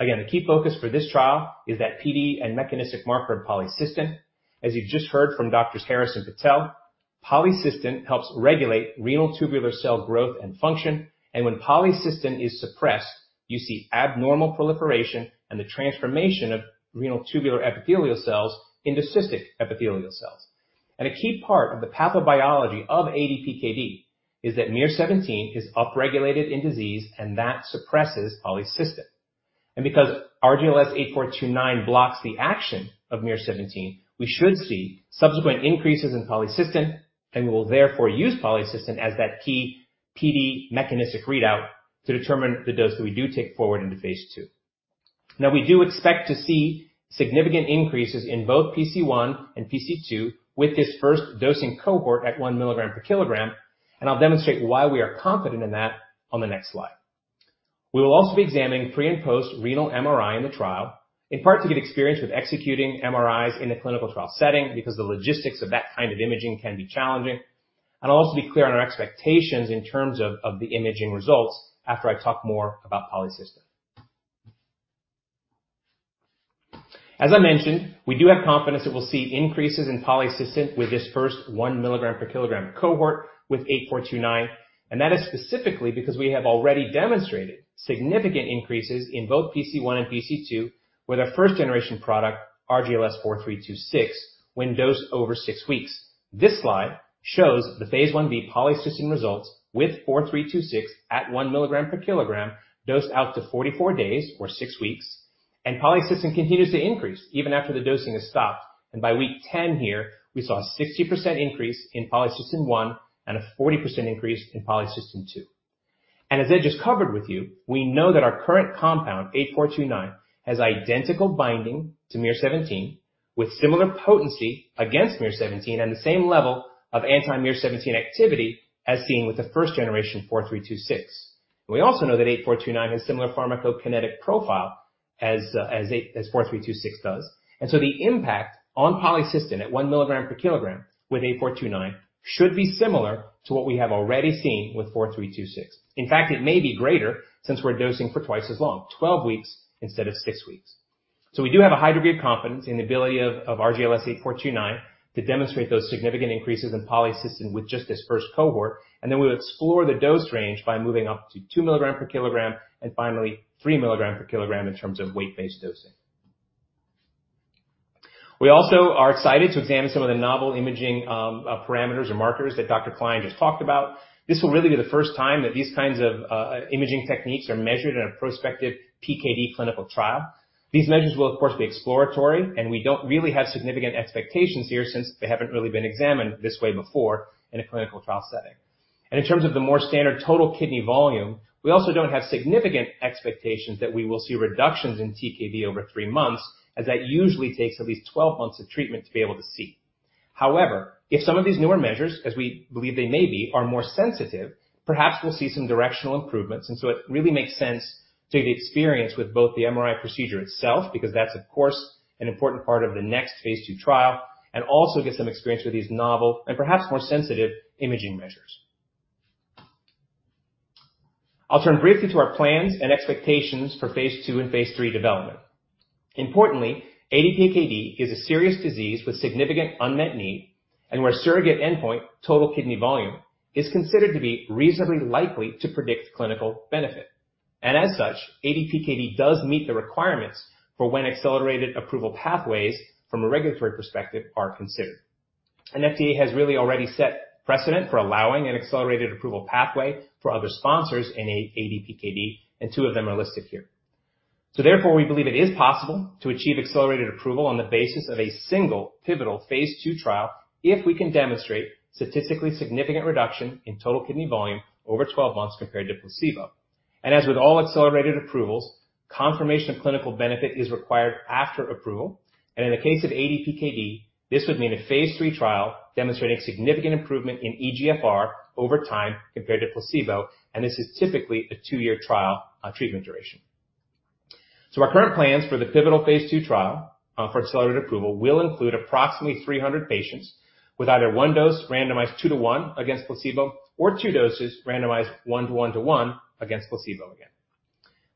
Again, the key focus for this trial is that PKD and mechanistic marker in polycystin. As you've just heard from Doctors Harris and Patel, polycystin helps regulate renal tubular cell growth and function, and when polycystin is suppressed, you see abnormal proliferation and the transformation of renal tubular epithelial cells into cystic epithelial cells. And a key part of the pathobiology of ADPKD is that miR-17 is upregulated in disease, and that suppresses polycystin. And because RGLS8429 blocks the action of miR-17, we should see subsequent increases in polycystin, and we will therefore use polycystin as that key PD mechanistic readout to determine the dose that we do take forward into phase II. Now, we do expect to see significant increases in both PC1 and PC2 with this first dosing cohort at 1 mg/kg, and I'll demonstrate why we are confident in that on the next slide. We will also be examining pre- and post-renal MRI in the trial, in part to get experience with executing MRIs in the clinical trial setting, because the logistics of that kind of imaging can be challenging. And I'll also be clear on our expectations in terms of the imaging results after I talk more about polycystin. As I mentioned, we do have confidence that we'll see increases in polycystin with this first 1 mg/kg cohort with RGLS8429, and that is specifically because we have already demonstrated significant increases in both PC1 and PC2 with our first-generation product, RGLS4326, when dosed over six weeks. This slide shows phase I-B polycystin results with 4326 at 1 mg/kg, dosed out to 44 days or six weeks, and polycystin continues to increase even after the dosing is stopped. By week 10 here, we saw a 60% increase in Polycystin-1 and a 40% increase in polycystin-2. As I just covered with you, we know that our current compound, 8429, has identical binding to miR-17, with similar potency against miR-17 and the same level of anti-miR-17 activity as seen with the first-generation 4326. We also know that 8429 has similar pharmacokinetic profile as 4326 does. So the impact on polycystin at one milligram per kilogram with 8429 should be similar to what we have already seen with 4326. In fact, it may be greater since we're dosing for twice as long, 12 weeks instead of six weeks. So we do have a high degree of confidence in the ability of RGLS8429 to demonstrate those significant increases in polycystin with just this first cohort, and then we'll explore the dose range by moving up to two milligrams per kilogram and finally three milligrams pephase IIIr kilogram in terms of weight-based dosing. We also are excited to examine some of the novel imaging parameters or markers that Dr. Klein just talked about. This will really be the first time that these kinds of imaging techniques are measured in a prospective PKD clinical trial. These measures will, of course, be exploratory, and we don't really have significant expectations here since they haven't really been examined this way before in a clinical trial setting. In terms of the more standard total kidney volume, we also don't have significant expectations that we will see reductions in TKV over three months, as that usually takes at least 12 months of treatment to be able to see. However, if some of these newer measures, as we believe they may be, are more sensitive, perhaps we'll see some directional improvements. And so it really makes sense to get experience with both the MRI procedure itself, because that's, of course, an important part of the next phase II trial, and also get some experience with these novel and perhaps more sensitive imaging measures. I'll turn briefly to our plans and expectations for phase II and phase III development. Importantly, ADPKD is a serious disease with significant unmet need and where surrogate endpoint, total kidney volume, is considered to be reasonably likely to predict clinical benefit. As such, ADPKD does meet the requirements for when accelerated approval pathways from a regulatory perspective are considered. FDA has really already set precedent for allowing an accelerated approval pathway for other sponsors in ADPKD, and two of them are listed here. So therefore, we believe it is possible to achieve accelerated approval on the basis of a single pivotal phase II trial, if we can demonstrate statistically significant reduction in total kidney volume over 12 months compared to placebo. As with all accelerated approvals, confirmation of clinical benefit is required after approval. In the case of ADPKD, this would mean a phase III trial demonstrating significant improvement in eGFR over time compared to placebo, and this is typically a two-year trial on treatment duration. So our current plans for the pivotal phase II trial for accelerated approval will include approximately 300 patients, with either one dose randomized two to one against placebo, or two doses randomized one to one to one against placebo again.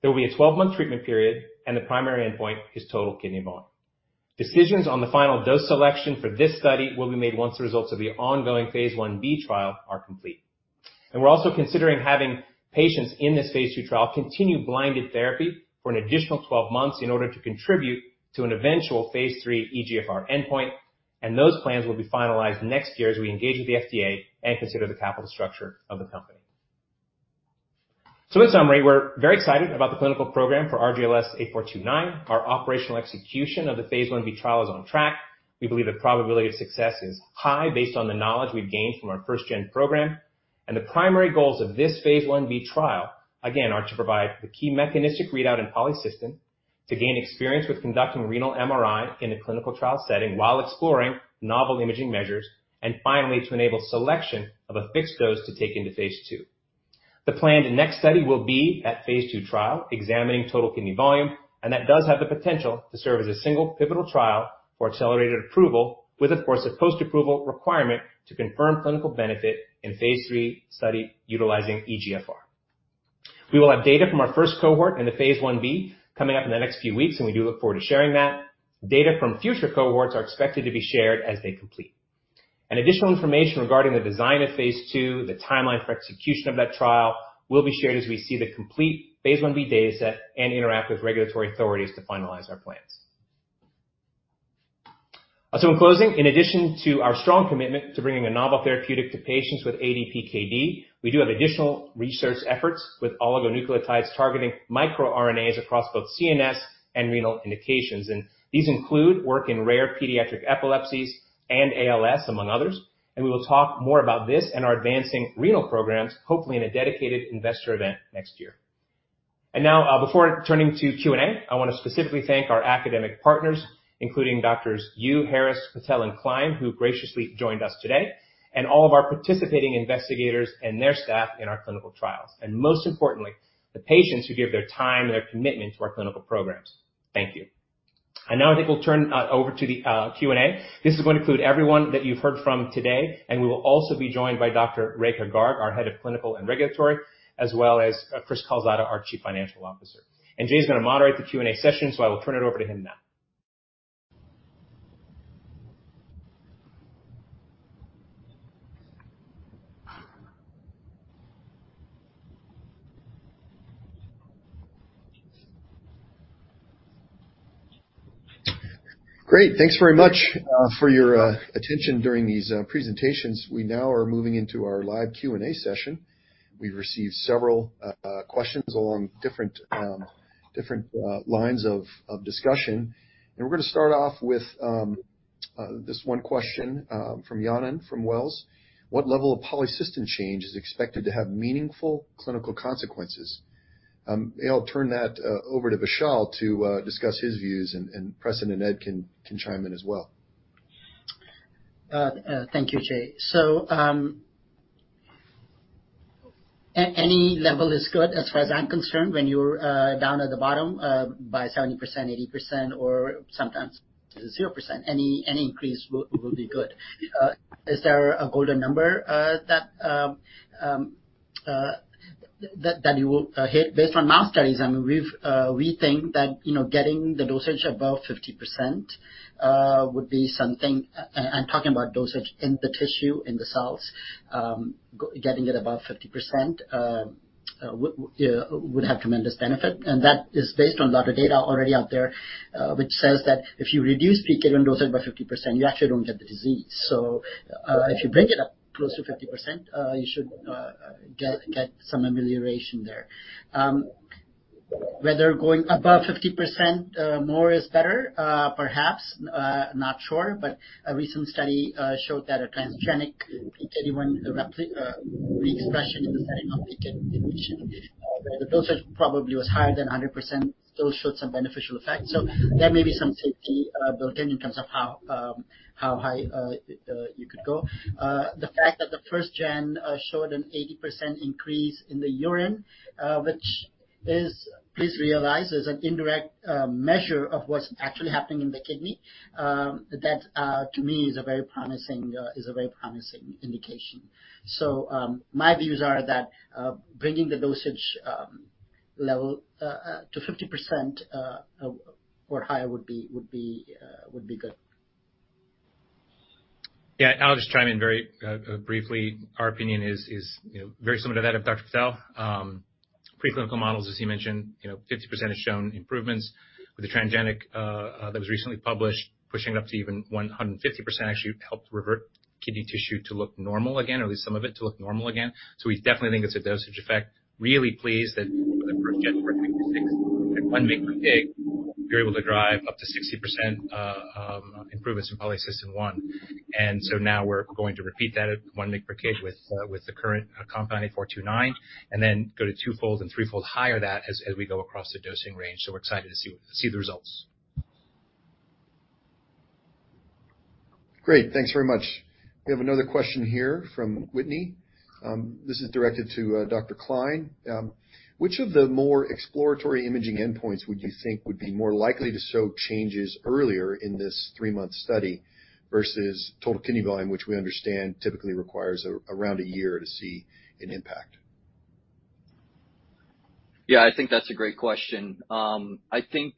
There will be a 12-month treatment period, and the primary endpoint is total kidney volume. Decisions on the final dose selection for this study will be made once the results of the ongoing phase I-Btrial are complete. And we're also considering having patients in this phase II trial continue blinded therapy for an additional 12 months in order to contribute to an eventual phase III eGFR endpoint, and those plans will be finalized next year as we engage with the FDA and consider the capital structure of the company. So in summary, we're very excited about the clinical program for RGLS8429. Our operational execution of the phase I-B trial is on track. We believe the probability of success is high based on the knowledge we've gained from our first-gen program. The primary goals of this phase I-B trial, again, are to provide the key mechanistic readout in polycystic, to gain experience with conducting renal MRI in a clinical trial setting while exploring novel imaging measures, and finally, to enable selection of a fixed dose to take into phase II. The planned next study will be at phase II trial, examining total kidney volume, and that does have the potential to serve as a single pivotal trial for accelerated approval, with, of course, a post-approval requirement to confirm clinical benefit in phase III study utilizing eGFR. We will have data from our first cohort in the phase I-B coming up in the next few weeks, and we do look forward to sharing that. Data from future cohorts are expected to be shared as they complete. Additional information regarding the design of phase II, the timeline for execution of that trial, will be shared as we see the complete phase I-B dataset and interact with regulatory authorities to finalize our plans. So in closing, in addition to our strong commitment to bringing a novel therapeutic to patients with ADPKD, we do have additional research efforts with oligonucleotides targeting microRNAs across both CNS and renal indications. These include work in rare pediatric epilepsies and ALS, among others, and we will talk more about this and our advancing renal programs, hopefully in a dedicated investor event next year. Before turning to Q&A, I want to specifically thank our academic partners, including Doctors Yu, Harris, Patel, and Klein, who graciously joined us today, and all of our participating investigators and their staff in our clinical trials. Most importantly, the patients who give their time and their commitment to our clinical programs. Thank you. Now, I think we'll turn over to the Q&A. This is going to include everyone that you've heard from today, and we will also be joined by Dr. Rekha Garg, our Head of Clinical and Regulatory, as well as Cris Calsada, our Chief Financial Officer. And Jay's going to moderate the Q&A session, so I will turn it over to him now. Great. Thanks very much for your attention during these presentations. We now are moving into our live Q&A session. We've received several questions along different lines of discussion. We're going to start off with this one question from Yanan from Wells Fargo: What level of polycystin change is expected to have meaningful clinical consequences? I'll turn that over to Vishal to discuss his views, and Preston and Ed can chime in as well. Thank you, Jay. So, any level is good as far as I'm concerned, when you're down at the bottom by 70%, 80%, or sometimes 0%. Any increase will be good. Is there a golden number that you will hit? Based on mouse studies, I mean, we think that, you know, getting the dosage above 50% would be something. And talking about dosage in the tissue, in the cells, getting it above 50% would have tremendous benefit. And that is based on a lot of data already out there, which says that if you reduce PKD1 dosage by 50%, you actually don't get the disease. So, if you bring it up close to 50%, you should get some amelioration there. Whether going above 50%, more is better? Perhaps not sure, but a recent study showed that a transgenic PKD1 reexpression in the setting of PKD1 deletion, where the dosage probably was higher than 100%, still showed some beneficial effects. So there may be some safety built in, in terms of how high you could go. The fact that the first gen showed an 80% increase in the urine, which is, please realize, an indirect measure of what's actually happening in the kidney, that to me is a very promising indication. My views are that bringing the dosage level to 50% or higher would be good. Yeah, I'll just chime in very briefly. Our opinion is, you know, very similar to that of Dr. Patel. Preclinical models, as you mentioned, you know, 50% have shown improvements with the transgenic that was recently published, pushing it up to even 150% actually helped revert kidney tissue to look normal again, or at least some of it to look normal again. So we definitely think it's a dosage effect. Really pleased that the first, RGLS4326. At 1 mg per kg, we're able to drive up to 60% improvements in Polycystin-1. And so now we're going to repeat that at 1 mg per kg with the current compound, RGLS8429, and then go to twofold and threefold higher that as we go across the dosing range. So we're excited to see the results. Great. Thanks very much. We have another question here from Whitney. This is directed to Dr. Klein. Which of the more exploratory imaging endpoints would you think would be more likely to show changes earlier in this three-month study versus total kidney volume, which we understand typically requires around a year to see an impact? Yeah, I think that's a great question. I think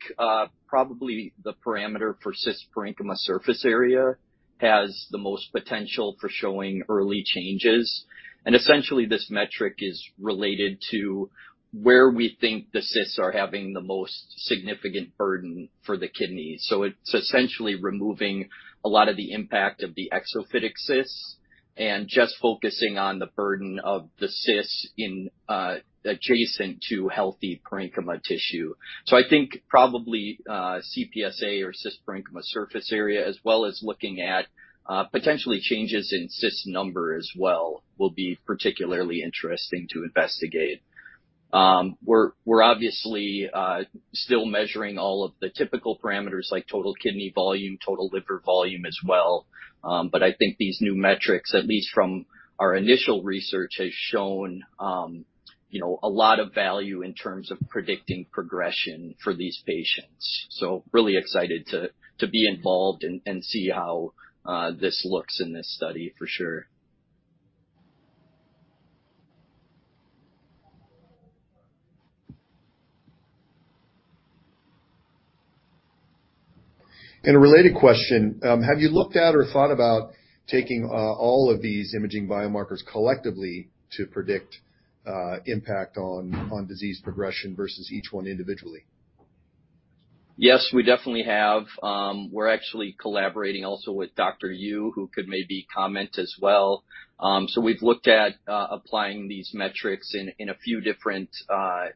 probably the parameter for cyst parenchyma surface area has the most potential for showing early changes. And essentially, this metric is related to where we think the cysts are having the most significant burden for the kidneys. So it's essentially removing a lot of the impact of the exophytic cysts and just focusing on the burden of the cysts in adjacent to healthy parenchyma tissue. So I think probably CPSA or cyst parenchyma surface area, as well as looking at potentially changes in cyst number as well, will be particularly interesting to investigate. We're obviously still measuring all of the typical parameters like total kidney volume, total liver volume as well. But I think these new metrics, at least from our initial research, has shown, you know, a lot of value in terms of predicting progression for these patients. So really excited to be involved and see how this looks in this study for sure. In a related question, have you looked at or thought about taking all of these imaging biomarkers collectively to predict impact on disease progression versus each one individually? Yes, we definitely have. We're actually collaborating also with Dr. Yu, who could maybe comment as well. So we've looked at applying these metrics in a few different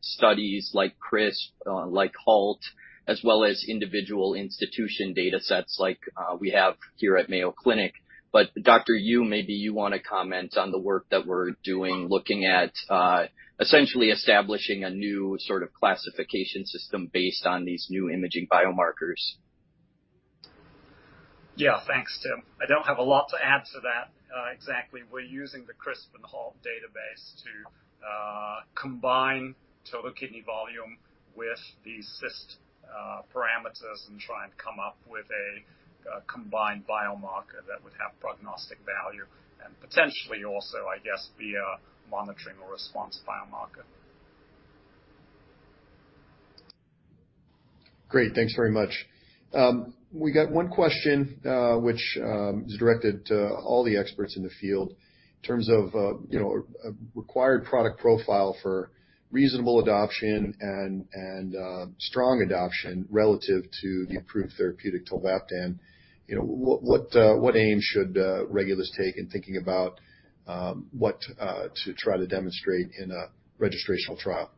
studies like CRISP, like HALT, as well as individual institution datasets like we have here at Mayo Clinic. But Dr. Yu, maybe you want to comment on the work that we're doing, looking at essentially establishing a new sort of classification system based on these new imaging biomarkers. Yeah. Thanks, Tim. I don't have a lot to add to that exactly. We're using the CRISP and HALT database to combine total kidney volume with the cyst parameters and try and come up with a combined biomarker that would have prognostic value and potentially also, I guess, be a monitoring or response biomarker. Great. Thanks very much. We got one question, which is directed to all the experts in the field in terms of, you know, a required product profile for reasonable adoption and strong adoption relative to the approved therapeutic tolvaptan. You know, what aim should regulators take in thinking about what to try to demonstrate in a registrational trial?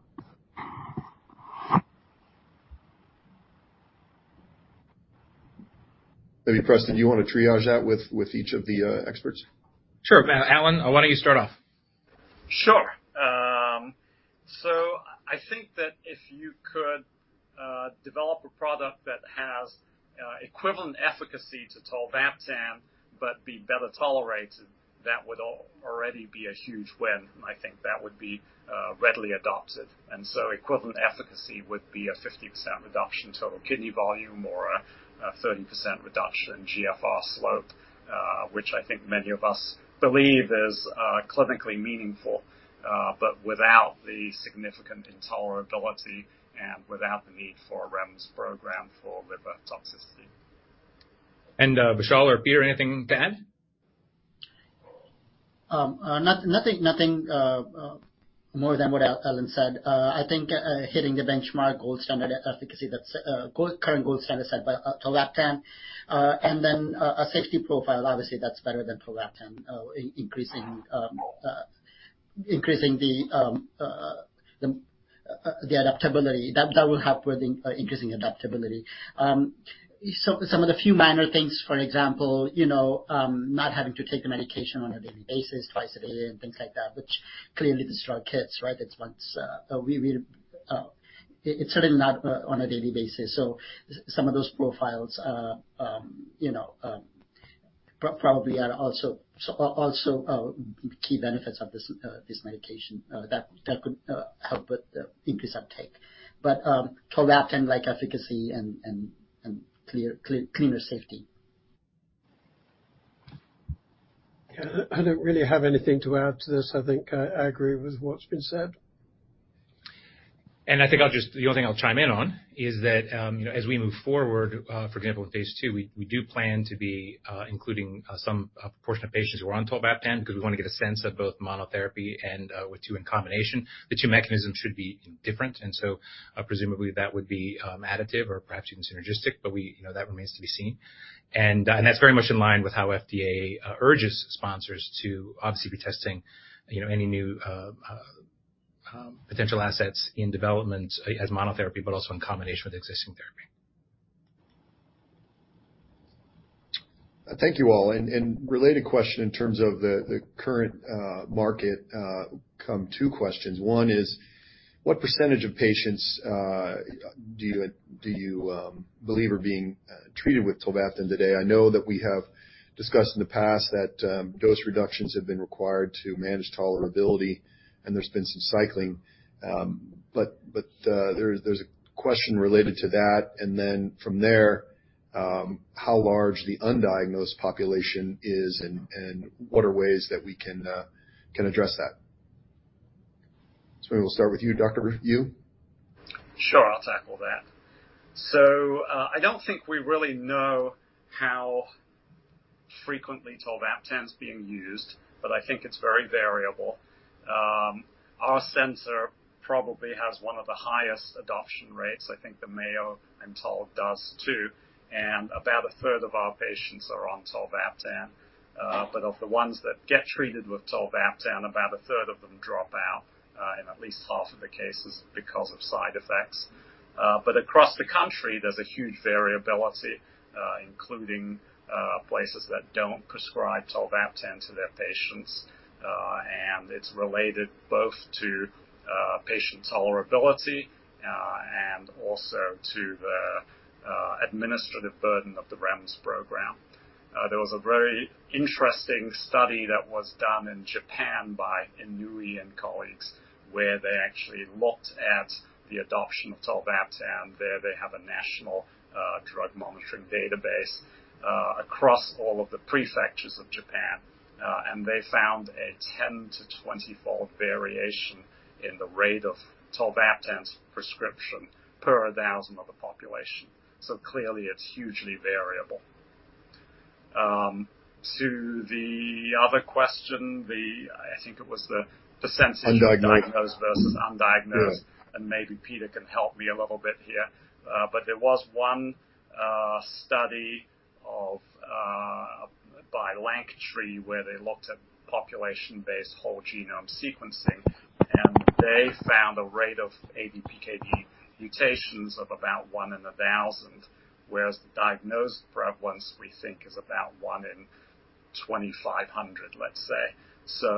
Maybe, Preston, do you want to triage that with each of the experts? Sure. Alan, why don't you start off? Sure. So I think that if you could develop a product that has equivalent efficacy to tolvaptan, but be better tolerated, that would already be a huge win, and I think that would be readily adopted. And so equivalent efficacy would be a 50% reduction in total kidney volume or a 30% reduction in GFR slope, which I think many of us believe is clinically meaningful, but without the significant intolerability and without the need for a REMS program for liver toxicity. Vishal or Peter, anything to add? Nothing more than what Alan said. I think hitting the benchmark gold standard efficacy, that's current gold standard set by tolvaptan. And then a safety profile, obviously that's better than tolvaptan in increasing the adaptability. That will help with increasing adaptability. So some of the few minor things, for example, you know, not having to take the medication on a daily basis, twice a day, and things like that, which clearly this drug hits, right? It's once, it's certainly not on a daily basis. So some of those profiles are, you know, probably also key benefits of this medication that could help with the increased uptake. But, tolvaptan-like efficacy and cleaner safety. Yeah, I don't really have anything to add to this. I think I agree with what's been said. I think I'll just the only thing I'll chime in on is that, you know, as we move forward, for example, in phase two, we do plan to be including some portion of patients who are on tolvaptan, because we want to get a sense of both monotherapy and with tolvaptan in combination. The two mechanisms should be different, and so, presumably, that would be additive or perhaps even synergistic, but we... You know, that remains to be seen. And that's very much in line with how FDA urges sponsors to obviously be testing, you know, any new potential assets in development as monotherapy, but also in combination with existing therapy. Thank you, all. And a related question in terms of the current market, couple questions. One is, what percentage of patients do you believe are being treated with tolvaptan today? I know that we have discussed in the past that dose reductions have been required to manage tolerability, and there's been some cycling. But there's a question related to that, and then from there, how large the undiagnosed population is and what are ways that we can address that? So we will start with you, Dr. Yu. Sure, I'll tackle that. So, I don't think we really know how frequently tolvaptan is being used, but I think it's very variable. Our center probably has one of the highest adoption rates. I think the Mayo and KU does, too, and about a third of our patients are on tolvaptan. But of the ones that get treated with tolvaptan, about a third of them drop out, in at least half of the cases because of side effects. But across the country, there's a huge variability, including places that don't prescribe tolvaptan to their patients, and it's related both to patient tolerability, and also to the administrative burden of the REMS program. There was a very interesting study that was done in Japan by Inui and colleagues, where they actually looked at the adoption of tolvaptan. There they have a national drug monitoring database across all of the prefectures of Japan. And they found a 10- to 20-fold variation in the rate of tolvaptan prescription per 1,000 of the population. So clearly, it's hugely variable. To the other question, the... I think it was the percentage. Undiagnosed. Diagnosed versus undiagnosed. Yeah. Maybe Peter can help me a little bit here. But there was one study by Lanktree, where they looked at population-based whole genome sequencing, and they found a rate of ADPKD mutations of about 1 in 1,000, whereas the diagnosed prevalence, we think, is about 1 in 2,500, let's say.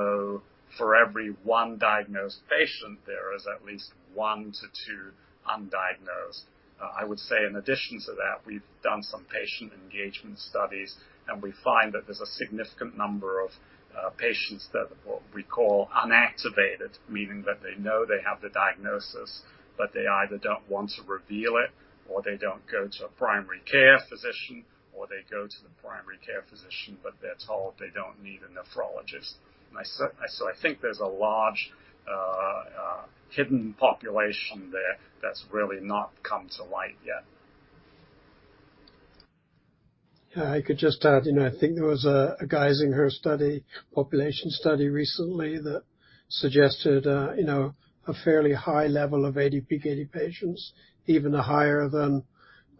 For every one diagnosed patient, there is at least one to two undiagnosed. I would say in addition to that, we've done some patient engagement studies, and we find that there's a significant number of patients that what we call unactivated, meaning that they know they have the diagnosis, but they either don't want to reveal it, or they don't go to a primary care physician, or they go to the primary care physician, but they're told they don't need a nephrologist. I think there's a large hidden population there that's really not come to light yet. Yeah, I could just add, you know, I think there was a, a Geisinger study, population study recently that suggested, you know, a fairly high level of ADPKD patients, even higher than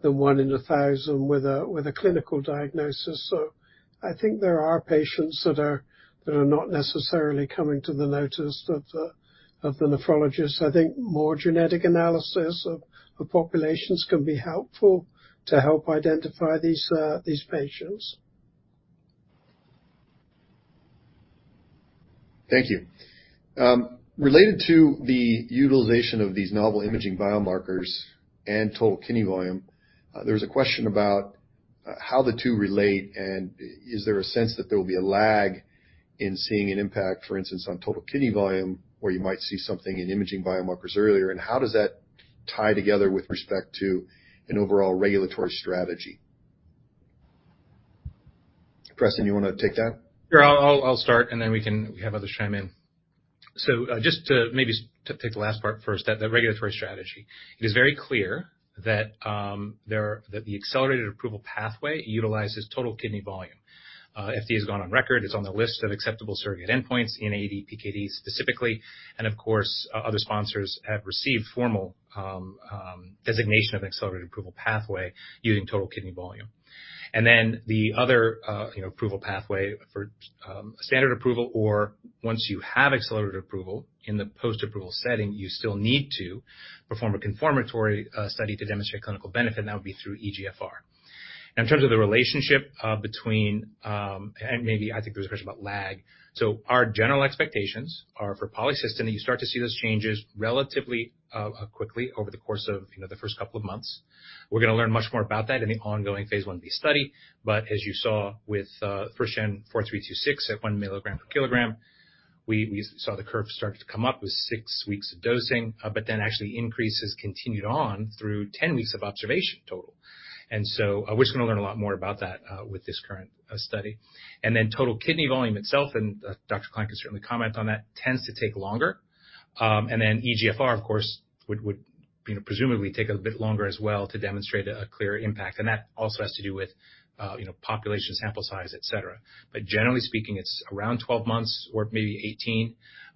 the one in 1,000 with a, with a clinical diagnosis. So I think there are patients that are, that are not necessarily coming to the notice of the, of the nephrologist. I think more genetic analysis of, of populations can be helpful to help identify these, these patients. Thank you. Related to the utilization of these novel imaging biomarkers and total kidney volume, there's a question about how the two relate, and is there a sense that there will be a lag in seeing an impact, for instance, on total kidney volume, or you might see something in imaging biomarkers earlier, and how does that tie together with respect to an overall regulatory strategy? Preston, you want to take that? Sure. I'll start, and then we can... We have others chime in. So, just to maybe take the last part first, at the regulatory strategy. It is very clear that there are... That the accelerated approval pathway utilizes total kidney volume. FDA has gone on record, it's on the list of acceptable surrogate endpoints in ADPKD specifically, and of course, other sponsors have received formal designation of accelerated approval pathway using total kidney volume. And then the other, you know, approval pathway for standard approval or once you have accelerated approval in the post-approval setting, you still need to perform a confirmatory study to demonstrate clinical benefit, and that would be through eGFR.... In terms of the relationship between, and maybe I think there was a question about lag. So our general expectations are for polycystic, that you start to see those changes relatively quickly over the course of, you know, the first couple of months. We're going to learn much more about that in the phase I-B study. But as you saw with first-gen four, three two, six, at one milligram per kilogram, we saw the curve started to come up with 6 weeks of dosing, but then actually increases continued on through 10 weeks of observation total. And so, we're just going to learn a lot more about that with this current study. And then total kidney volume itself, and Dr. Klein can certainly comment on that, tends to take longer. And then eGFR, of course, would, you know, presumably take a bit longer as well to demonstrate a clear impact. That also has to do with, you know, population, sample size, et cetera. But generally speaking, it's around 12 months or maybe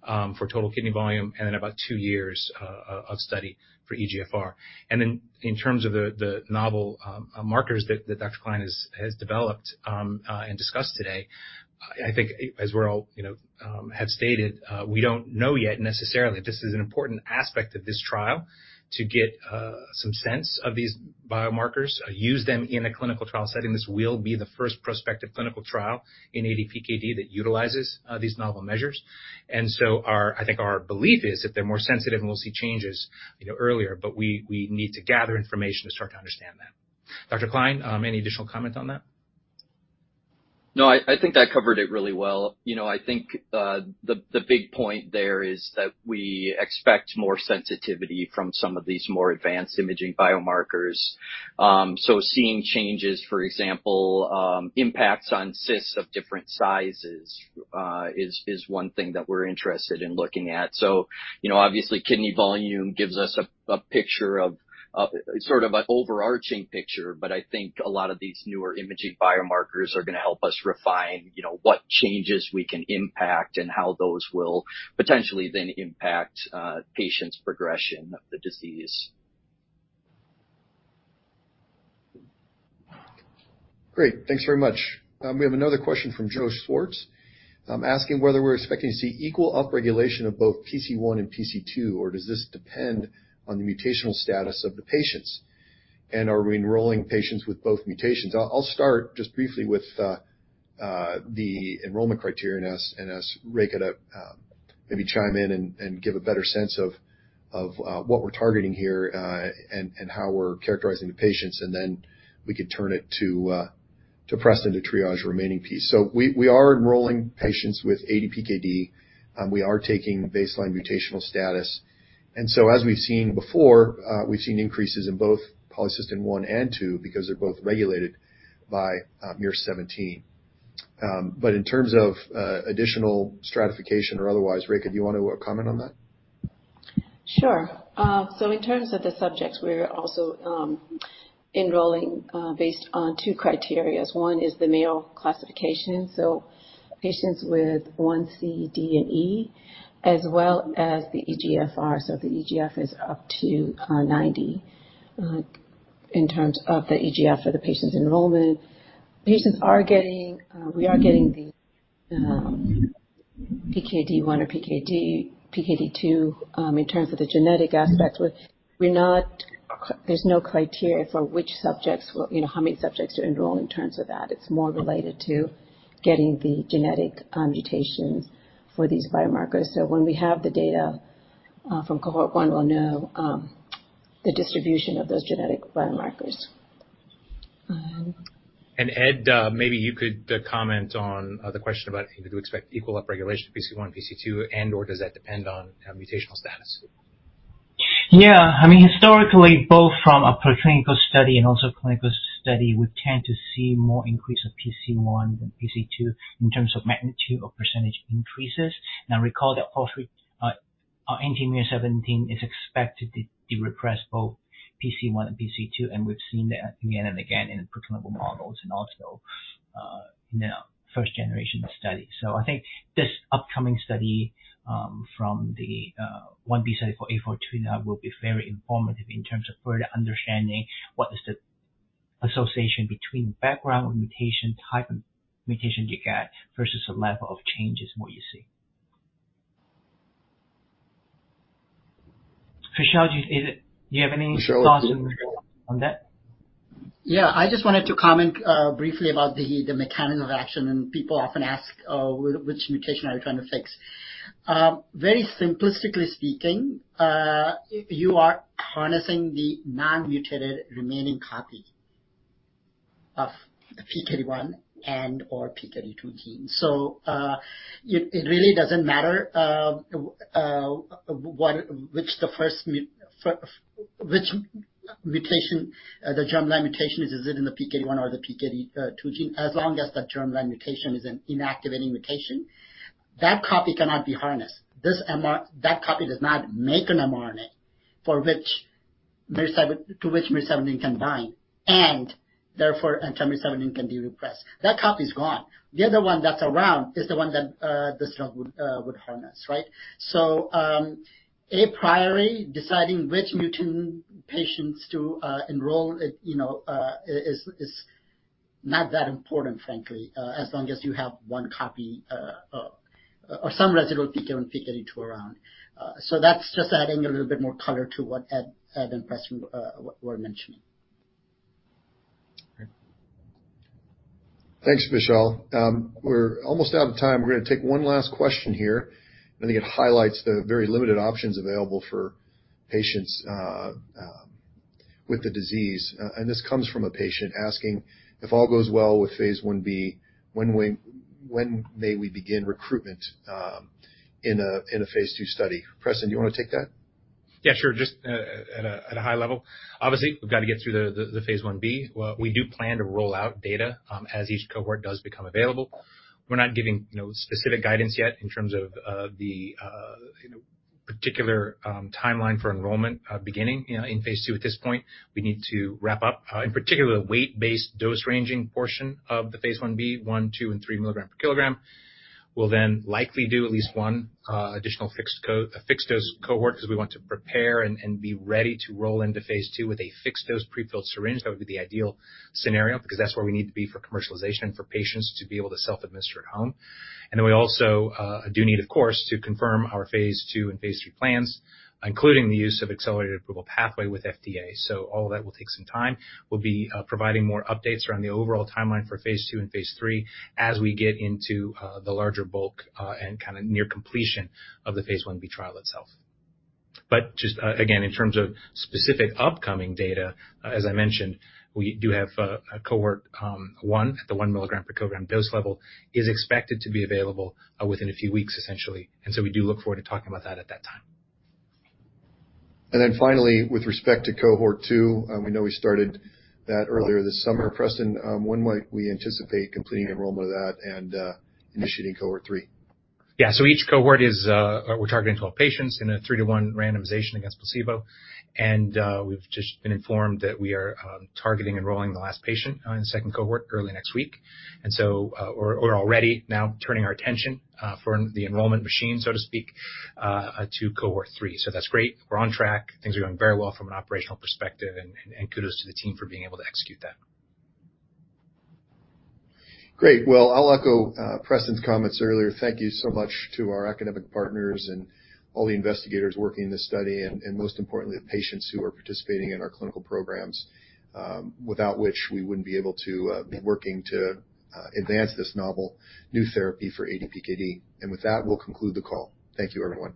18, for total kidney volume, and then about two years of study for eGFR. And then in terms of the novel markers that Dr. Klein has developed and discussed today, I think as we're all, you know, have stated, we don't know yet necessarily. This is an important aspect of this trial to get some sense of these biomarkers, use them in a clinical trial setting. This will be the first prospective clinical trial in ADPKD that utilizes these novel measures. And so our belief is that they're more sensitive, and we'll see changes, you know, earlier, but we need to gather information to start to understand that. Dr. Klein, any additional comment on that? No, I think that covered it really well. You know, I think the big point there is that we expect more sensitivity from some of these more advanced imaging biomarkers. So seeing changes, for example, impacts on cysts of different sizes is one thing that we're interested in looking at. So, you know, obviously, kidney volume gives us a picture of sort of an overarching picture, but I think a lot of these newer imaging biomarkers are going to help us refine, you know, what changes we can impact and how those will potentially then impact patients' progression of the disease. Great. Thanks very much. We have another question from Joe Schwartz, asking whether we're expecting to see equal upregulation of both PC1 and PC2, or does this depend on the mutational status of the patients? And are we enrolling patients with both mutations? I'll start just briefly with the enrollment criterion, and ask Rekha to maybe chime in and give a better sense of what we're targeting here, and how we're characterizing the patients, and then we could turn it to Preston to triage the remaining piece. So we are enrolling patients with ADPKD, we are taking baseline mutational status. And so as we've seen before, we've seen increases in both Polycystin-1 and polycystin-2, because they're both regulated by miR-17. In terms of additional stratification or otherwise, Rekha, do you want to comment on that? Sure. So in terms of the subjects, we're also enrolling based on two criteria. One is the Mayo classification, so patients with 1C, D, and E, as well as the eGFR. So the eGFR is up to 90 in terms of the eGFR for the patient's enrollment. Patients are getting, we are getting the PKD1 or PKD2 in terms of the genetic aspects, which we're not... There's no criteria for which subjects will, you know, how many subjects to enroll in terms of that. It's more related to getting the genetic mutations for these biomarkers. So when we have the data from cohort 1, we'll know the distribution of those genetic biomarkers. Ed, maybe you could comment on the question about do you expect equal upregulation, PC1, PC2, and/or does that depend on mutational status? Yeah. I mean, historically, both from a preclinical study and also clinical study, we tend to see more increase of PC1 than PC2 in terms of magnitude or percentage increases. Now, recall that all three anti-miR-17 is expected to repress both PC1 and PC2, and we've seen that again and again in preclinical models and also in the first-generation study. So I think this upcoming study from the 1B study for RGLS8429 will be very informative in terms of further understanding what is the association between background mutation type and mutation you get versus the level of changes, what you see. Vishal, do you have any thoughts on that? Yeah. I just wanted to comment briefly about the mechanism of action, and people often ask which mutation are you trying to fix? Very simplistically speaking, you are harnessing the non-mutated remaining copy of PKD1 and/or PKD2 gene. So, it really doesn't matter which mutation the germline mutation is, is it in the PKD1 or the PKD2 gene? As long as the germline mutation is an inactivating mutation, that copy cannot be harnessed. That copy does not make an mRNA to which miR-17 can bind, and therefore, miR-17 can be repressed. That copy is gone. The other one that's around is the one that this drug would harness, right? So, a priori, deciding which mutant patients to enroll, it, you know, is not that important, frankly, as long as you have one copy or some residual PKD1 and PKD2. So that's just adding a little bit more color to what Ed and Preston were mentioning. Great. Thanks, Vishal. We're almost out of time. We're gonna take one last question here. I think it highlights the very limited options available for patients with the disease. And this comes from a patient asking: "If all goes well phase I-B, when may we begin recruitment in a phase II study?" Preston, do you wanna take that? Yeah, sure. Just at a high level. Obviously, we've got to get through phase I-B. we do plan to roll out data as each cohort does become available. We're not giving, you know, specific guidance yet in terms of the, you know, particular timeline for enrollment beginning, you know, in phase II at this point. We need to wrap up, in particular, the weight-based dose-ranging portion of phase I-B, one, two, and three milligrams per kilogram. We'll then likely do at least one additional fixed-dose cohort, 'cause we want to prepare and be ready to roll into phase II with a fixed-dose, prefilled syringe. That would be the ideal scenario because that's where we need to be for commercialization, for patients to be able to self-administer at home. Then we also do need, of course, to confirm our phase II and phase III plans, including the use of accelerated approval pathway with FDA. So all of that will take some time. We'll be providing more updates around the overall timeline for phase II and phase III as we get into the larger bulk and kinda near completion of phase I-B trial itself. But just again, in terms of specific upcoming data, as I mentioned, we do have a Cohort 1 at the one milligram per kilogram dose level, is expected to be available within a few weeks, essentially. So we do look forward to talking about that at that time. Then finally, with respect to Cohort 2, we know we started that earlier this summer. Preston, when might we anticipate completing enrollment of that and initiating Cohort 3? Yeah. So each cohort is we're targeting 12 patients in a three-to-one randomization against placebo. And we've just been informed that we are targeting enrolling the last patient in the second cohort early next week. And so, we're already now turning our attention from the enrollment machine, so to speak, to Cohort 3. So that's great. We're on track. Things are going very well from an operational perspective, and kudos to the team for being able to execute that. Great. Well, I'll echo Preston's comments earlier. Thank you so much to our academic partners and all the investigators working in this study, and most importantly, the patients who are participating in our clinical programs, without which we wouldn't be able to be working to advance this novel new therapy for ADPKD. And with that, we'll conclude the call. Thank you, everyone.